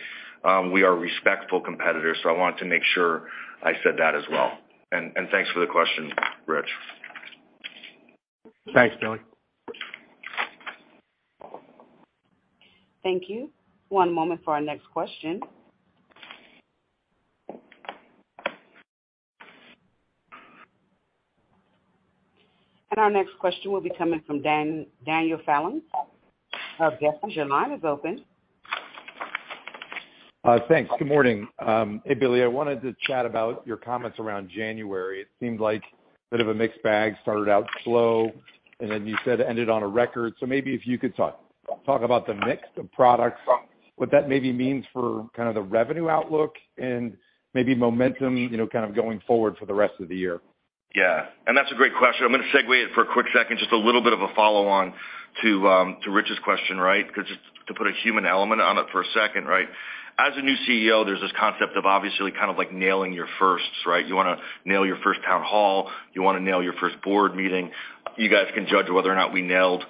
we are respectful competitors, so I want to make sure I said that as well. Thanks for the question, Rich. Thanks, Billy. Thank you. One moment for our next question. Our next question will be coming from Dan, Daniel Fannon of Jefferies. Your line is open. Thanks. Good morning. Hey, Billy. I wanted to chat about your comments around January. It seemed like a bit of a mixed bag, started out slow, and then you said ended on a record. Maybe if you could talk about the mix of products, what that maybe means for kind of the revenue outlook and maybe momentum, you know, kind of going forward for the rest of the year. Yeah. That's a great question. I'm gonna segue it for a quick second, just a little bit of a follow-on to Rich's question, right? 'Cause just to put a human element on it for a second, right? As a new CEO, there's this concept of obviously kind of like nailing your firsts, right? You wanna nail your first town hall. You wanna nail your first board meeting. You guys can judge whether or not we nailed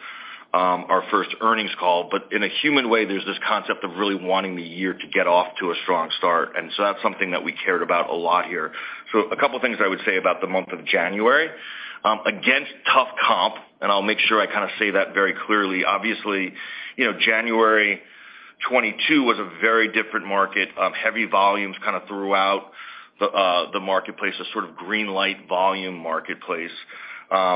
our first earnings call. In a human way, there's this concept of really wanting the year to get off to a strong start. That's something that we cared about a lot here. A couple things I would say about the month of January, against tough comp, and I'll make sure I kinda say that very clearly. Obviously, you know, January 2022 was a very different market. Heavy volumes kinda throughout the marketplace, a sort of green light volume marketplace.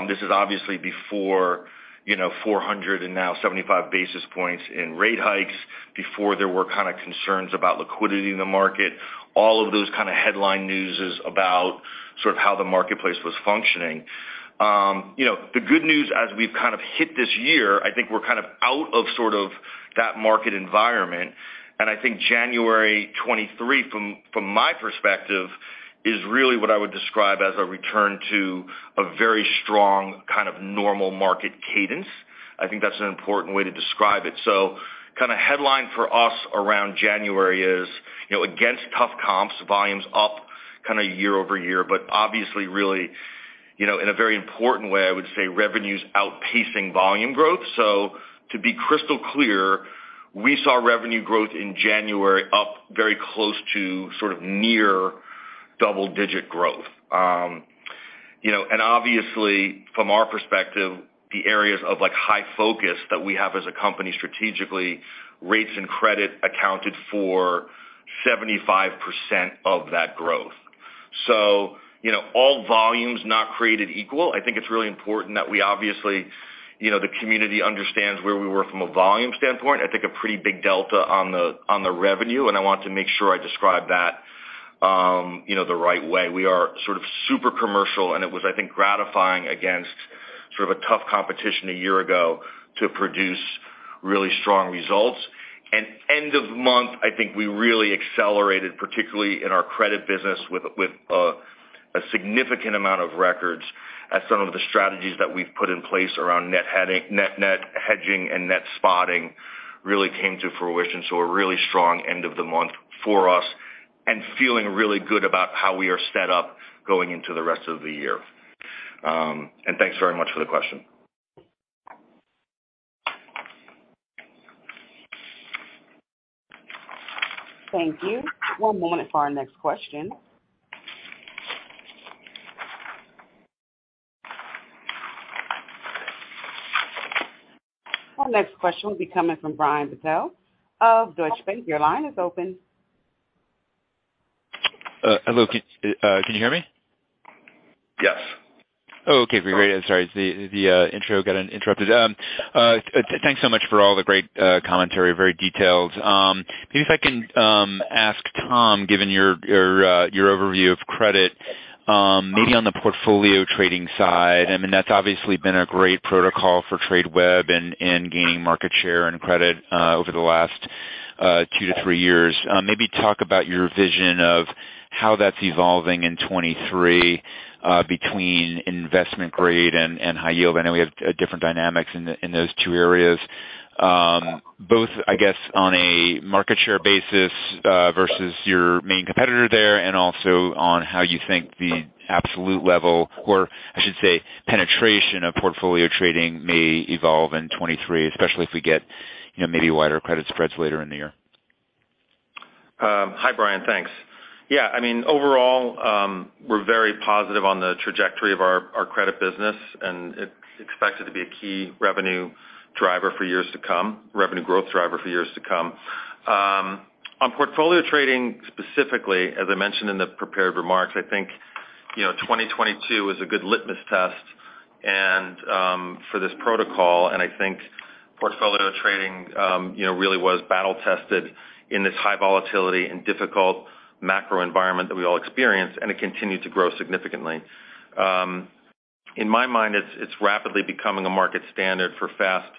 This is obviously before, you know, 475 basis points in rate hikes, before there were kinda concerns about liquidity in the market, all of those kinda headline news is about sort of how the marketplace was functioning. You know, the good news as we've kind of hit this year, I think we're kind of out of sort of that market environment. I think January 2023, from my perspective, is really what I would describe as a return to a very strong kind of normal market cadence. I think that's an important way to describe it. Kind of headline for us around January is, you know, against tough comps, volumes up kind of year-over-year, but obviously really, you know, in a very important way, I would say revenues outpacing volume growth. To be crystal clear, we saw revenue growth in January up very close to sort of near double-digit growth. You know, and obviously from our perspective, the areas of like high focus that we have as a company strategically, rates and credit accounted for 75% of that growth. You know, all volumes not created equal. I think it's really important that we obviously, you know, the community understands where we were from a volume standpoint. I think a pretty big delta on the, on the revenue, and I want to make sure I describe that, you know, the right way. We are sort of super commercial, and it was, I think, gratifying against sort of a tough competition a year ago to produce really strong results. End of month, I think we really accelerated, particularly in our credit business with a significant amount of records as some of the strategies that we've put in place around net hedging and net spotting really came to fruition. A really strong end of the month for us and feeling really good about how we are set up going into the rest of the year. Thanks very much for the question. Thank you. One moment for our next question. Our next question will be coming from Brian Bedell of Deutsche Bank. Your line is open. Hello. Can you hear me? Yes. Okay, great. I'm sorry. The intro got interrupted. Thanks so much for all the great commentary. Very detailed. Maybe if I can ask Tom, given your overview of credit, maybe on the portfolio trading side, I mean, that's obviously been a great protocol for Tradeweb and gaining market share and credit over the last two to three years. Maybe talk about your vision of how that's evolving in 2023 between investment grade and high yield. I know we have different dynamics in those two areas. Both, I guess, on a market share basis, versus your main competitor there and also on how you think the absolute level, or I should say, penetration of portfolio trading may evolve in 2023, especially if we get, you know, maybe wider credit spreads later in the year. Hi, Brian. Thanks. Yeah, I mean, overall, we're very positive on the trajectory of our credit business, and it's expected to be a key revenue driver for years to come, revenue growth driver for years to come. On portfolio trading specifically, as I mentioned in the prepared remarks, I think, you know, 2022 was a good litmus test and for this protocol, and I think portfolio trading, you know, really was battle tested in this high volatility and difficult macro environment that we all experienced, and it continued to grow significantly. In my mind, it's rapidly becoming a market standard for fast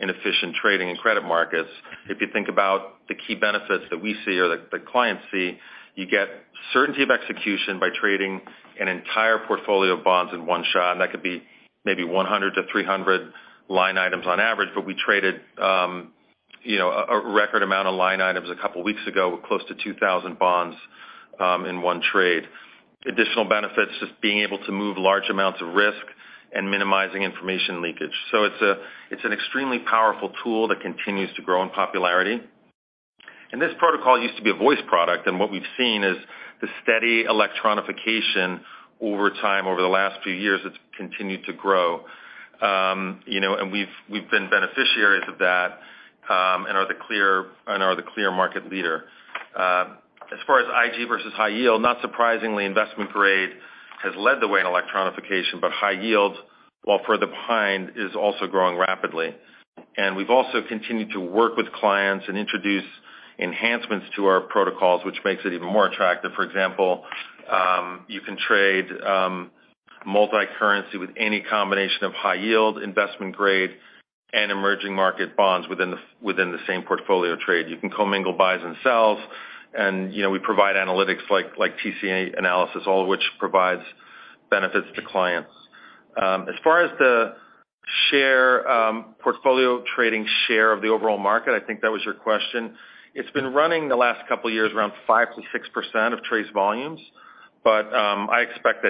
and efficient trading and credit markets. If you think about the key benefits that we see or the clients see, you get certainty of execution by trading an entire portfolio of bonds in one shot, and that could be maybe 100-300 line items on average. We traded, you know, a record amount of line items a couple weeks ago with close to 2,000 bonds in one trade. Additional benefits, just being able to move large amounts of risk and minimizing information leakage. It's an extremely powerful tool that continues to grow in popularity. This protocol used to be a voice product, and what we've seen is the steady electronification over time, over the last few years, it's continued to grow. you know, and we've been beneficiaries of that, and are the clear market leader. As far as IG versus high yield, not surprisingly, investment grade has led the way in electronification, but high yield, while further behind, is also growing rapidly. We've also continued to work with clients and introduce enhancements to our protocols, which makes it even more attractive. For example, you can trade multicurrency with any combination of high yield, investment grade, and emerging market bonds within the same portfolio trade. You can commingle buys and sells and, you know, we provide analytics like TCA analysis, all which provides benefits to clients. As far as the share, portfolio trading share of the overall market, I think that was your question. It's been running the last couple of years around 5%-6% of trades volumes, but I expect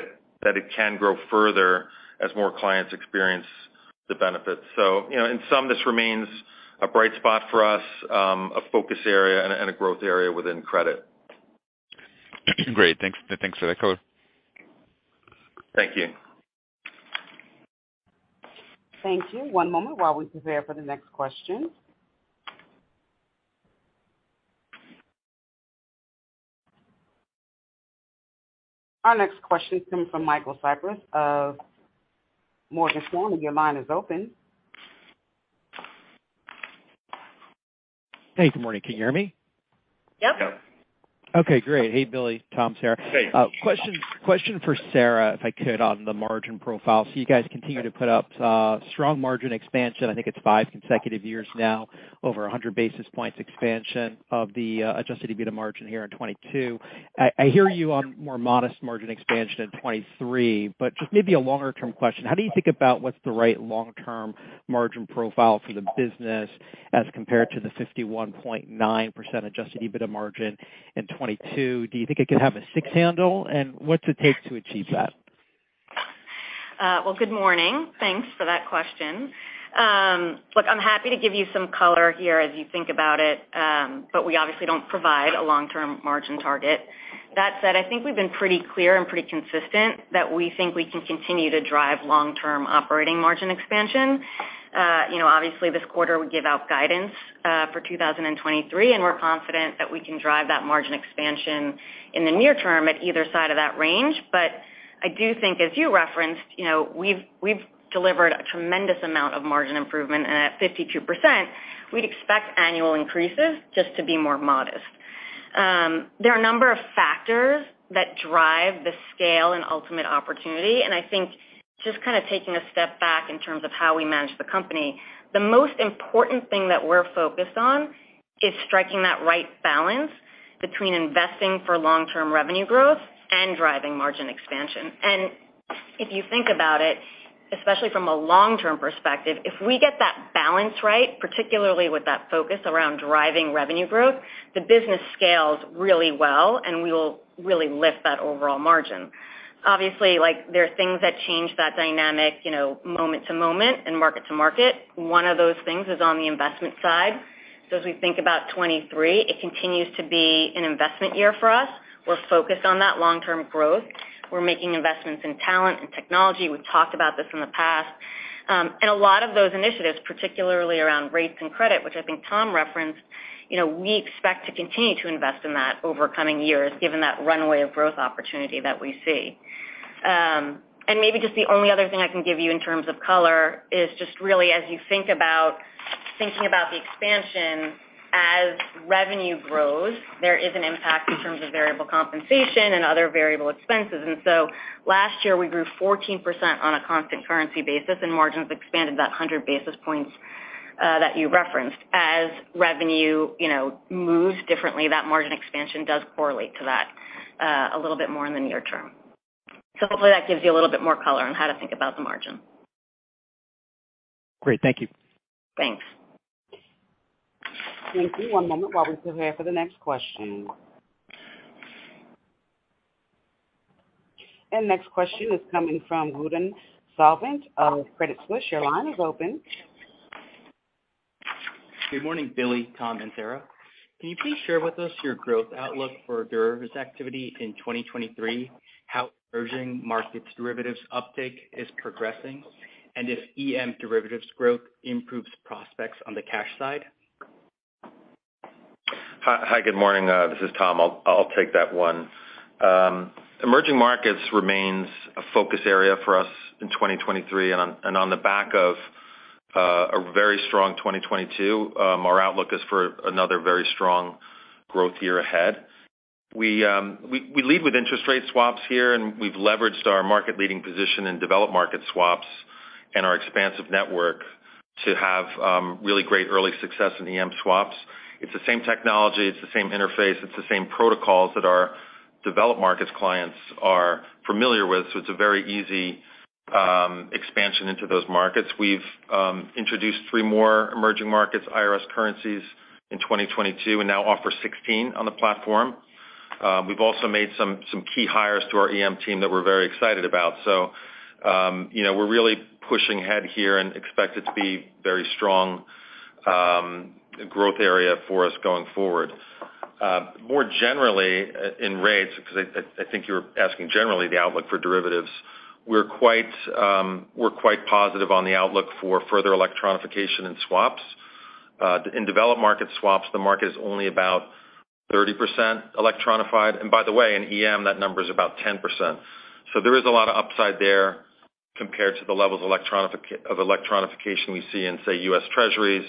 that it can grow further as more clients experience the benefits. You know, in sum, this remains a bright spot for us, a focus area and a growth area within credit. Great. Thanks. Thanks for that color. Thank you. Thank you. One moment while we prepare for the next question. Our next question comes from Michael Cyprys of Morgan Stanley. Your line is open. Hey, good morning. Can you hear me? Yep. Okay, great. Hey, Billy, Tom's here. Hey. Question for Sara, if I could, on the margin profile. You guys continue to put up strong margin expansion. I think it's 5 consecutive years now, over 100 basis points expansion of the adjusted EBITDA margin here in 2022. I hear you on more modest margin expansion in 2023, but just maybe a longer term question. How do you think about what's the right long-term margin profile for the business as compared to the 51.9% adjusted EBITDA margin in 2022? Do you think it could have a 6 handle? What's it take to achieve that? Well, good morning. Thanks for that question. Look, I'm happy to give you some color here as you think about it, but we obviously don't provide a long-term margin target. That said, I think we've been pretty clear and pretty consistent that we think we can continue to drive long-term operating margin expansion. You know, obviously, this quarter we give out guidance for 2023, and we're confident that we can drive that margin expansion in the near term at either side of that range. I do think, as you referenced, you know, we've delivered a tremendous amount of margin improvement, and at 52%, we'd expect annual increases just to be more modest. There are a number of factors that drive the scale and ultimate opportunity. I think just kind of taking a step back in terms of how we manage the company, the most important thing that we're focused on is striking that right balance between investing for long-term revenue growth and driving margin expansion. If you think about it, especially from a long-term perspective, if we get that balance right, particularly with that focus around driving revenue growth, the business scales really well, and we will really lift that overall margin. Obviously, there are things that change that dynamic, you know, moment to moment and market to market. One of those things is on the investment side. As we think about 2023, it continues to be an investment year for us. We're focused on that long-term growth. We're making investments in talent and technology. We've talked about this in the past. A lot of those initiatives, particularly around rates and credit, which I think Tom referenced, you know, we expect to continue to invest in that over coming years given that runway of growth opportunity that we see. Maybe just the only other thing I can give you in terms of color is just really as you think about thinking about the expansion, as revenue grows, there is an impact in terms of variable compensation and other variable expenses. Last year we grew 14% on a constant currency basis, and margins expanded that 100 basis points, that you referenced. As revenue, you know, moves differently, that margin expansion does correlate to that, a little bit more in the near term. Hopefully that gives you a little bit more color on how to think about the margin. Great. Thank you. Thanks. Thank you. One moment while we prepare for the next question. Next question is coming from Gautam Sawant of Credit Suisse. Your line is open. Good morning, Billy, Tom, and Sara. Can you please share with us your growth outlook for derivatives activity in 2023, how emerging markets derivatives uptake is progressing, and if EM derivatives growth improves prospects on the cash side? Hi. Hi, good morning. This is Tom. I'll take that one. Emerging markets remains a focus area for us in 2023. On the back of a very strong 2022, our outlook is for another very strong growth year ahead. We lead with interest rate swaps here, and we've leveraged our market-leading position in developed market swaps and our expansive network to have really great early success in EM swaps. It's the same technology, it's the same interface, it's the same protocols that our developed markets clients are familiar with, so it's a very easy expansion into those markets. We've introduced three more emerging markets, IRS currencies in 2022, and now offer 16 on the platform. We've also made some key hires to our EM team that we're very excited about. You know, we're really pushing ahead here and expect it to be very strong growth area for us going forward. More generally in rates, because I think you were asking generally the outlook for derivatives, we're quite positive on the outlook for further electronification in swaps. In developed market swaps, the market is only about 30% electronified. In EM, that number is about 10%. There is a lot of upside there compared to the levels of electronification we see in, say, U.S. Treasuries,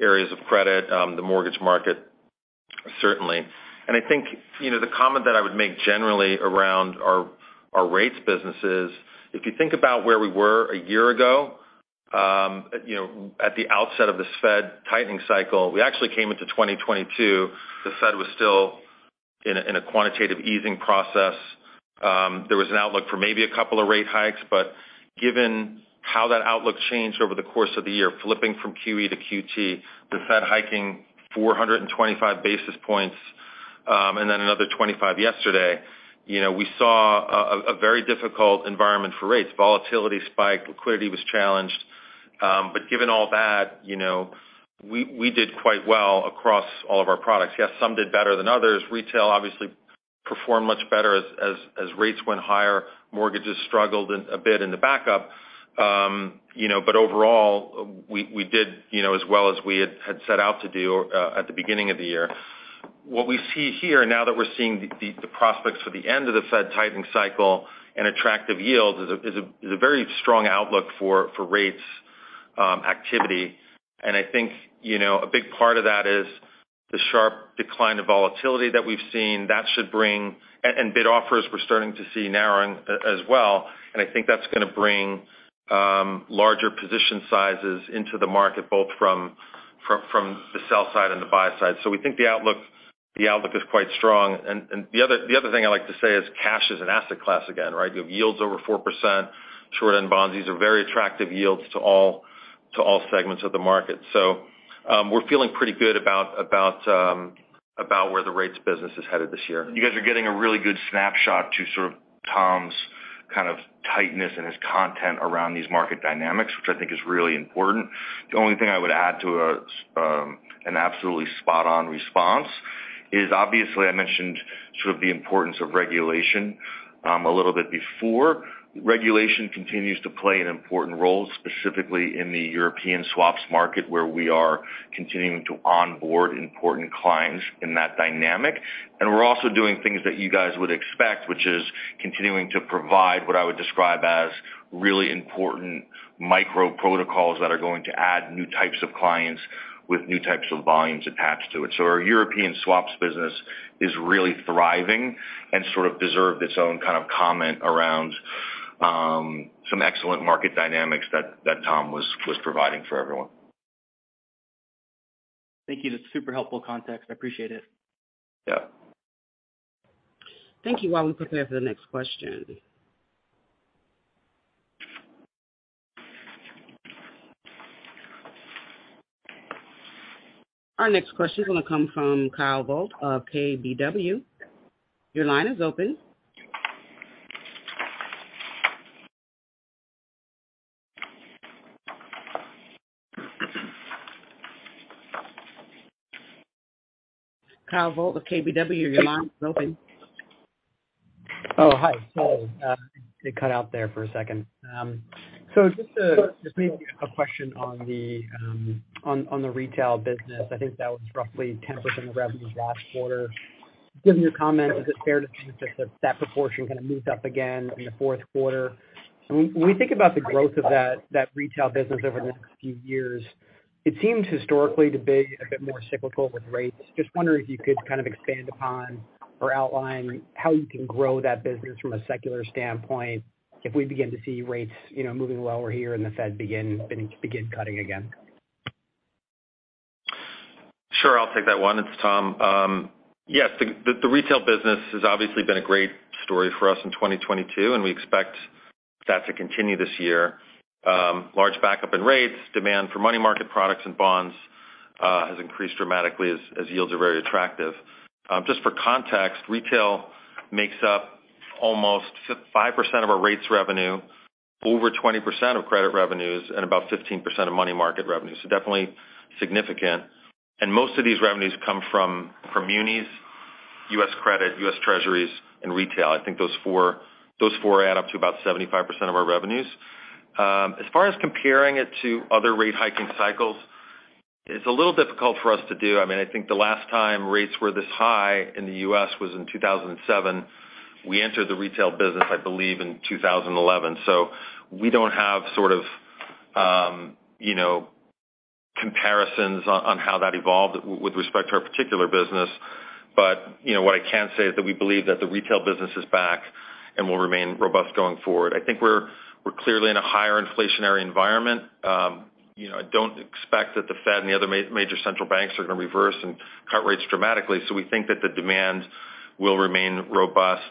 areas of credit, the mortgage market, certainly. I think, you know, the comment that I would make generally around our rates business is if you think about where we were a year ago, you know, at the outset of this Fed tightening cycle, we actually came into 2022, the Fed was still in a quantitative easing process. There was an outlook for maybe a couple of rate hikes, given how that outlook changed over the course of the year, flipping from QE to QT, the Fed hiking 425 basis points, and then another 25 yesterday, you know, we saw a very difficult environment for rates. Volatility spiked, liquidity was challenged. Given all that, you know, we did quite well across all of our products. Yes, some did better than others. retail obviously performed much better as rates went higher. Mortgages struggled a bit in the backup. you know, overall we did, you know, as well as we had set out to do at the beginning of the year. What we see here, now that we're seeing the prospects for the end of the Fed tightening cycle and attractive yields is a very strong outlook for rates activity. I think, you know, a big part of that is the sharp decline of volatility that we've seen that should bring. Bid offers we're starting to see narrowing as well. I think that's gonna bring larger position sizes into the market, both from the sell side and the buy side. We think the outlook is quite strong. The other thing I like to say is cash is an asset class again, right? You have yields over 4%, short-end bonds. These are very attractive yields to all segments of the market. We're feeling pretty good about where the rates business is headed this year. You guys are getting a really good snapshot to sort of Tom's kind of tightness and his content around these market dynamics, which I think is really important. The only thing I would add to an absolutely spot on response is obviously I mentioned sort of the importance of regulation a little bit before. Regulation continues to play an important role, specifically in the European swaps market, where we are continuing to onboard important clients in that dynamic. We're also doing things that you guys would expect, which is continuing to provide what I would describe as really important micro protocols that are going to add new types of clients with new types of volumes attached to it. Our European swaps business is really thriving and sort of deserve its own kind of comment around, some excellent market dynamics that Tom was providing for everyone. Thank you. That's super helpful context. I appreciate it. Yeah. Thank you. While we prepare for the next question. Our next question is gonna come from Kyle Voigt of KBW. Your line is open. Kyle Voigt of KBW, your line is open. Hi. Sorry. It cut out there for a second. Just maybe a question on the retail business. I think that was roughly 10% of revenues last quarter. Given your comment, is it fair to think that proportion kind of moves up again in the fourth quarter? When we think about the growth of that retail business over the next few years, it seems historically to be a bit more cyclical with rates. Just wondering if you could kind of expand upon or outline how you can grow that business from a secular standpoint if we begin to see rates, you know, moving lower here and the Fed begin cutting again. Sure. I'll take that one. It's Tom. Yes, the retail business has obviously been a great story for us in 2022, and we expect that to continue this year. Large backup in rates, demand for money market products and bonds has increased dramatically as yields are very attractive. Just for context, retail makes up almost 5% of our rates revenue, over 20% of credit revenues, and about 15% of money market revenue. Definitely significant. Most of these revenues come from munis, U.S. credit, U.S. Treasuries and retail. I think those four add up to about 75% of our revenues. As far as comparing it to other rate hiking cycles, it's a little difficult for us to do. I mean, I think the last time rates were this high in the U.S. was in 2007. We entered the retail business, I believe, in 2011. We don't have sort of, you know, comparisons on how that evolved with respect to our particular business. You know, what I can say is that we believe that the retail business is back and will remain robust going forward. I think we're clearly in a higher inflationary environment. You know, I don't expect that the Fed and the other major central banks are gonna reverse and cut rates dramatically. We think that the demand will remain robust,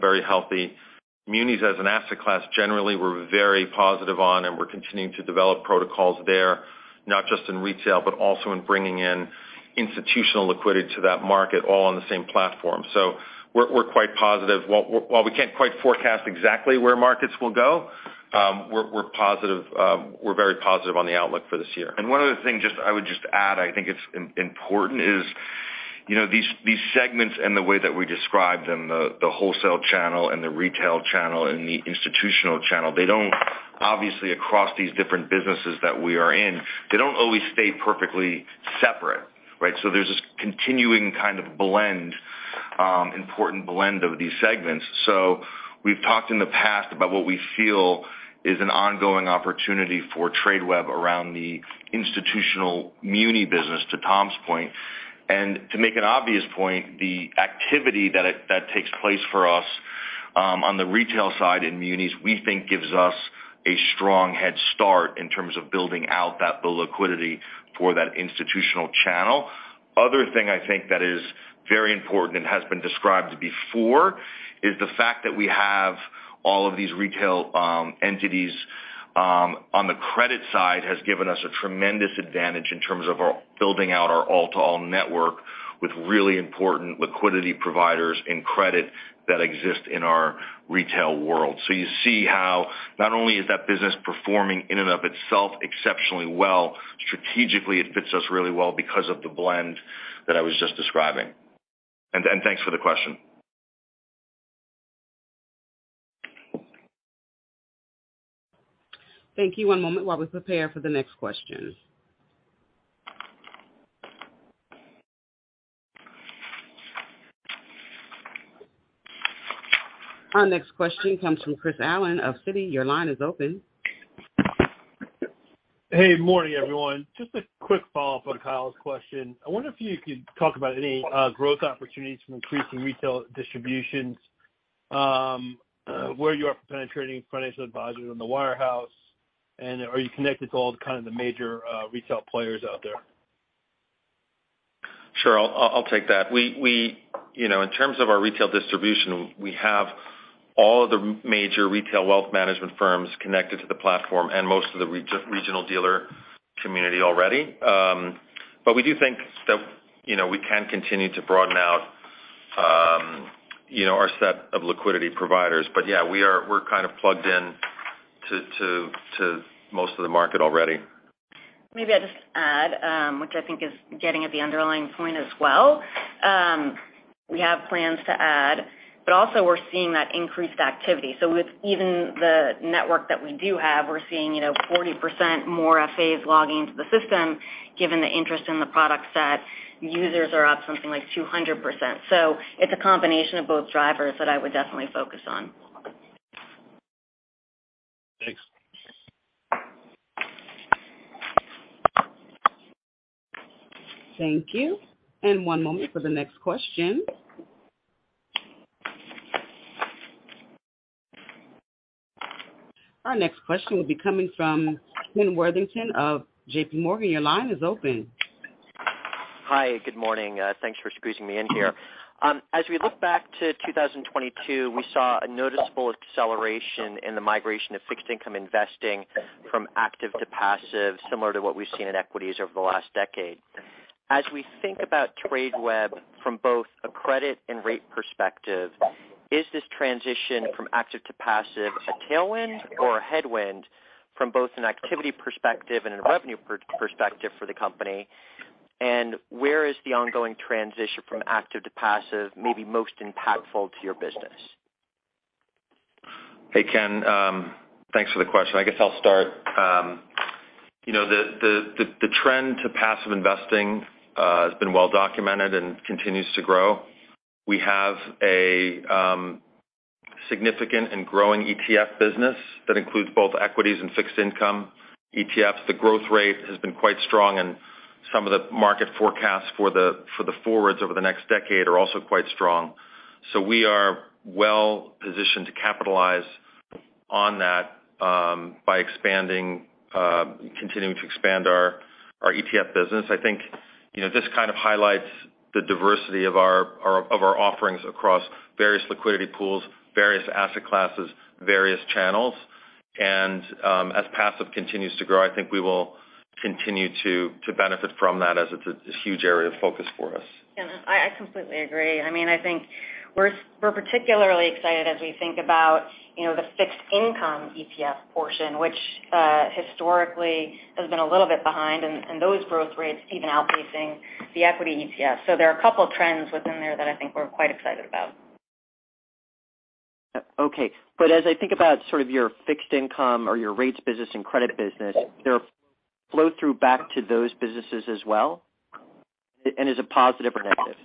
very healthy. Munis, as an asset class, generally we're very positive on, and we're continuing to develop protocols there, not just in retail, but also in bringing in institutional liquidity to that market all on the same platform. We're quite positive. While we can't quite forecast exactly where markets will go, we're positive. We're very positive on the outlook for this year. One other thing I would just add, I think it's important, is, you know, these segments and the way that we describe them, the wholesale channel and the retail channel and the institutional channel, they don't. Obviously, across these different businesses that we are in, they don't always stay perfectly separate, right? There's this continuing kind of blend, important blend of these segments. We've talked in the past about what we feel is an ongoing opportunity for Tradeweb around the institutional muni business, to Tom's point. To make an obvious point, the activity that takes place for us, on the retail side in munis, we think gives us a strong head start in terms of building out the liquidity for that institutional channel. Other thing I think that is very important, and has been described before, is the fact that we have all of these retail entities on the credit side has given us a tremendous advantage in terms of our building out our all-to-all network with really important liquidity providers in credit that exist in our retail world. You see how not only is that business performing in and of itself exceptionally well, strategically it fits us really well because of the blend that I was just describing. Thanks for the question. Thank you. One moment while we prepare for the next question. Our next question comes from Christopher Allen of Citi. Your line is open. Hey, good morning, everyone. Just a quick follow-up on Kyle's question. I wonder if you could talk about any growth opportunities from increasing retail distributions, where you are penetrating financial advisors in the wirehouse. Are you connected to all kind of the major retail players out there? Sure. I'll take that. We, you know, in terms of our retail distribution, we have all the major retail wealth management firms connected to the platform and most of the regional dealer community already. We do think that, you know, we can continue to broaden out, you know, our set of liquidity providers. Yeah, we're kind of plugged in to most of the market already. I'll just add, which I think is getting at the underlying point as well. We have plans to add, but also we're seeing that increased activity. With even the network that we do have, we're seeing, you know, 40% more FAs logging into the system, given the interest in the product set. Users are up something like 200%. It's a combination of both drivers that I would definitely focus on. Thanks. Thank you. One moment for the next question. Our next question will be coming from Kenneth Worthington of JPMorgan. Your line is open. Hi, good morning. Thanks for squeezing me in here. As we look back to 2022, we saw a noticeable acceleration in the migration of fixed income investing from active to passive, similar to what we've seen in equities over the last decade. As we think about Tradeweb from both a credit and rate perspective, is this transition from active to passive a tailwind or a headwind from both an activity perspective and a revenue perspective for the company? Where is the ongoing transition from active to passive maybe most impactful to your business? Hey, Ken, thanks for the question. I guess I'll start. You know, the trend to passive investing has been well documented and continues to grow. We have a significant and growing ETF business that includes both equities and fixed income ETFs. The growth rate has been quite strong, and some of the market forecasts for the forwards over the next decade are also quite strong. We are well-positioned to capitalize on that by expanding, continuing to expand our ETF business. I think, you know, this kind of highlights the diversity of our offerings across various liquidity pools, various asset classes, various channels. As passive continues to grow, I think we will continue to benefit from that as it's a, this huge area of focus for us. Yeah, I completely agree. I mean, I think we're particularly excited as we think about, you know, the fixed income ETF portion, which historically has been a little bit behind in those growth rates, even outpacing the equity ETF. There are two trends within there that I think we're quite excited about. Okay. As I think about sort of your fixed income or your rates business and credit business, there flow through back to those businesses as well? Is it positive or negative?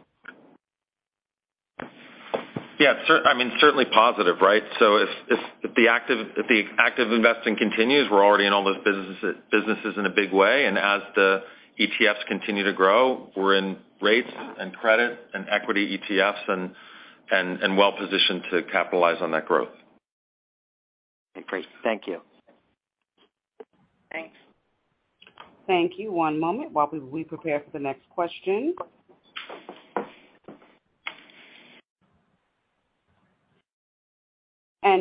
Yeah, I mean, certainly positive, right? If the active investing continues, we're already in all those businesses in a big way. As the ETFs continue to grow, we're in rates and credit and equity ETFs and well-positioned to capitalize on that growth. Great. Thank you. Thanks. Thank you. One moment while we prepare for the next question.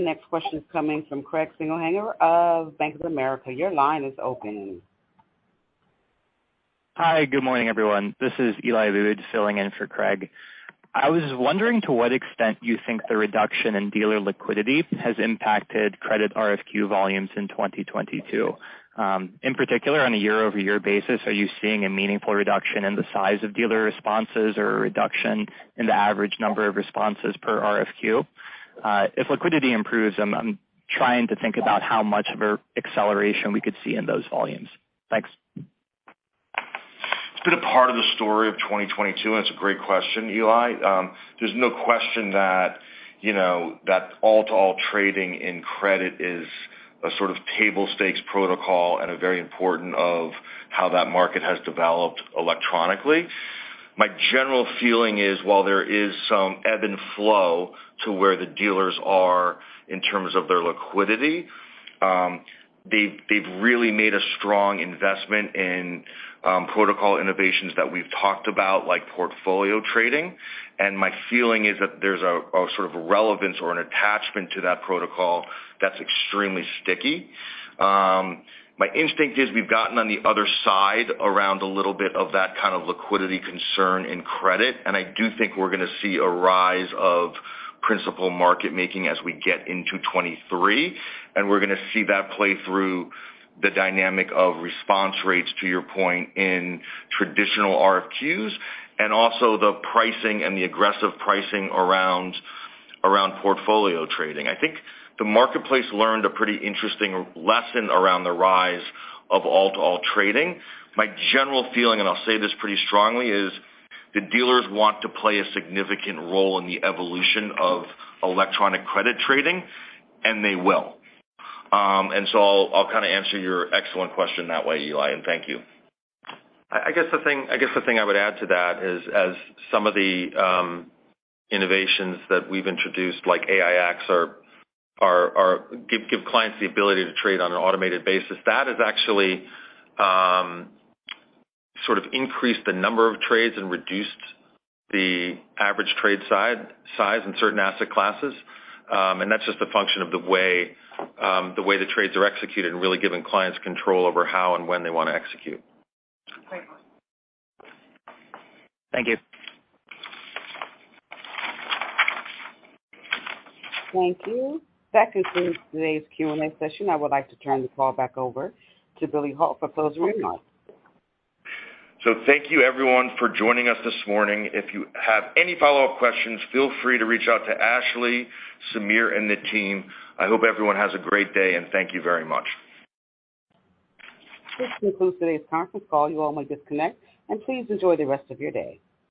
Next question is coming from Craig Siegenthaler of Bank of America. Your line is open. Hi, good morning, everyone. This is Eli Abboud filling in for Craig. I was wondering to what extent you think the reduction in dealer liquidity has impacted credit RFQ volumes in 2022? In particular, on a year-over-year basis, are you seeing a meaningful reduction in the size of dealer responses or a reduction in the average number of responses per RFQ? If liquidity improves, I'm trying to think about how much of a acceleration we could see in those volumes. Thanks. It's been a part of the story of 2022, and it's a great question, Eli. There's no question that, you know, that all-to-all trading in credit is a sort of table stakes protocol and a very important of how that market has developed electronically. My general feeling is, while there is some ebb and flow to where the dealers are in terms of their liquidity, they've really made a strong investment in protocol innovations that we've talked about, like portfolio trading. My feeling is that there's a sort of a relevance or an attachment to that protocol that's extremely sticky. My instinct is we've gotten on the other side around a little bit of that kind of liquidity concern in credit, and I do think we're gonna see a rise of principal market making as we get into 2023. We're gonna see that play through the dynamic of response rates, to your point, in traditional RFQs and also the pricing and the aggressive pricing around portfolio trading. I think the marketplace learned a pretty interesting lesson around the rise of all-to-all trading. My general feeling, and I'll say this pretty strongly, is the dealers want to play a significant role in the evolution of electronic credit trading, and they will. I'll kind of answer your excellent question that way, Eli, and thank you. I guess the thing I would add to that is, as some of the innovations that we've introduced, like AiEX are give clients the ability to trade on an automated basis. That has actually, sort of increased the number of trades and reduced the average trade size in certain asset classes. That's just a function of the way, the way the trades are executed and really giving clients control over how and when they wanna execute. Thank you. Thank you. That concludes today's Q&A session. I would like to turn the call back over to Billy Hult for closing remarks. Thank you everyone for joining us this morning. If you have any follow-up questions, feel free to reach out to Ashley, Sameer and the team. I hope everyone has a great day, and thank you very much. This concludes today's conference call. You all may disconnect. Please enjoy the rest of your day.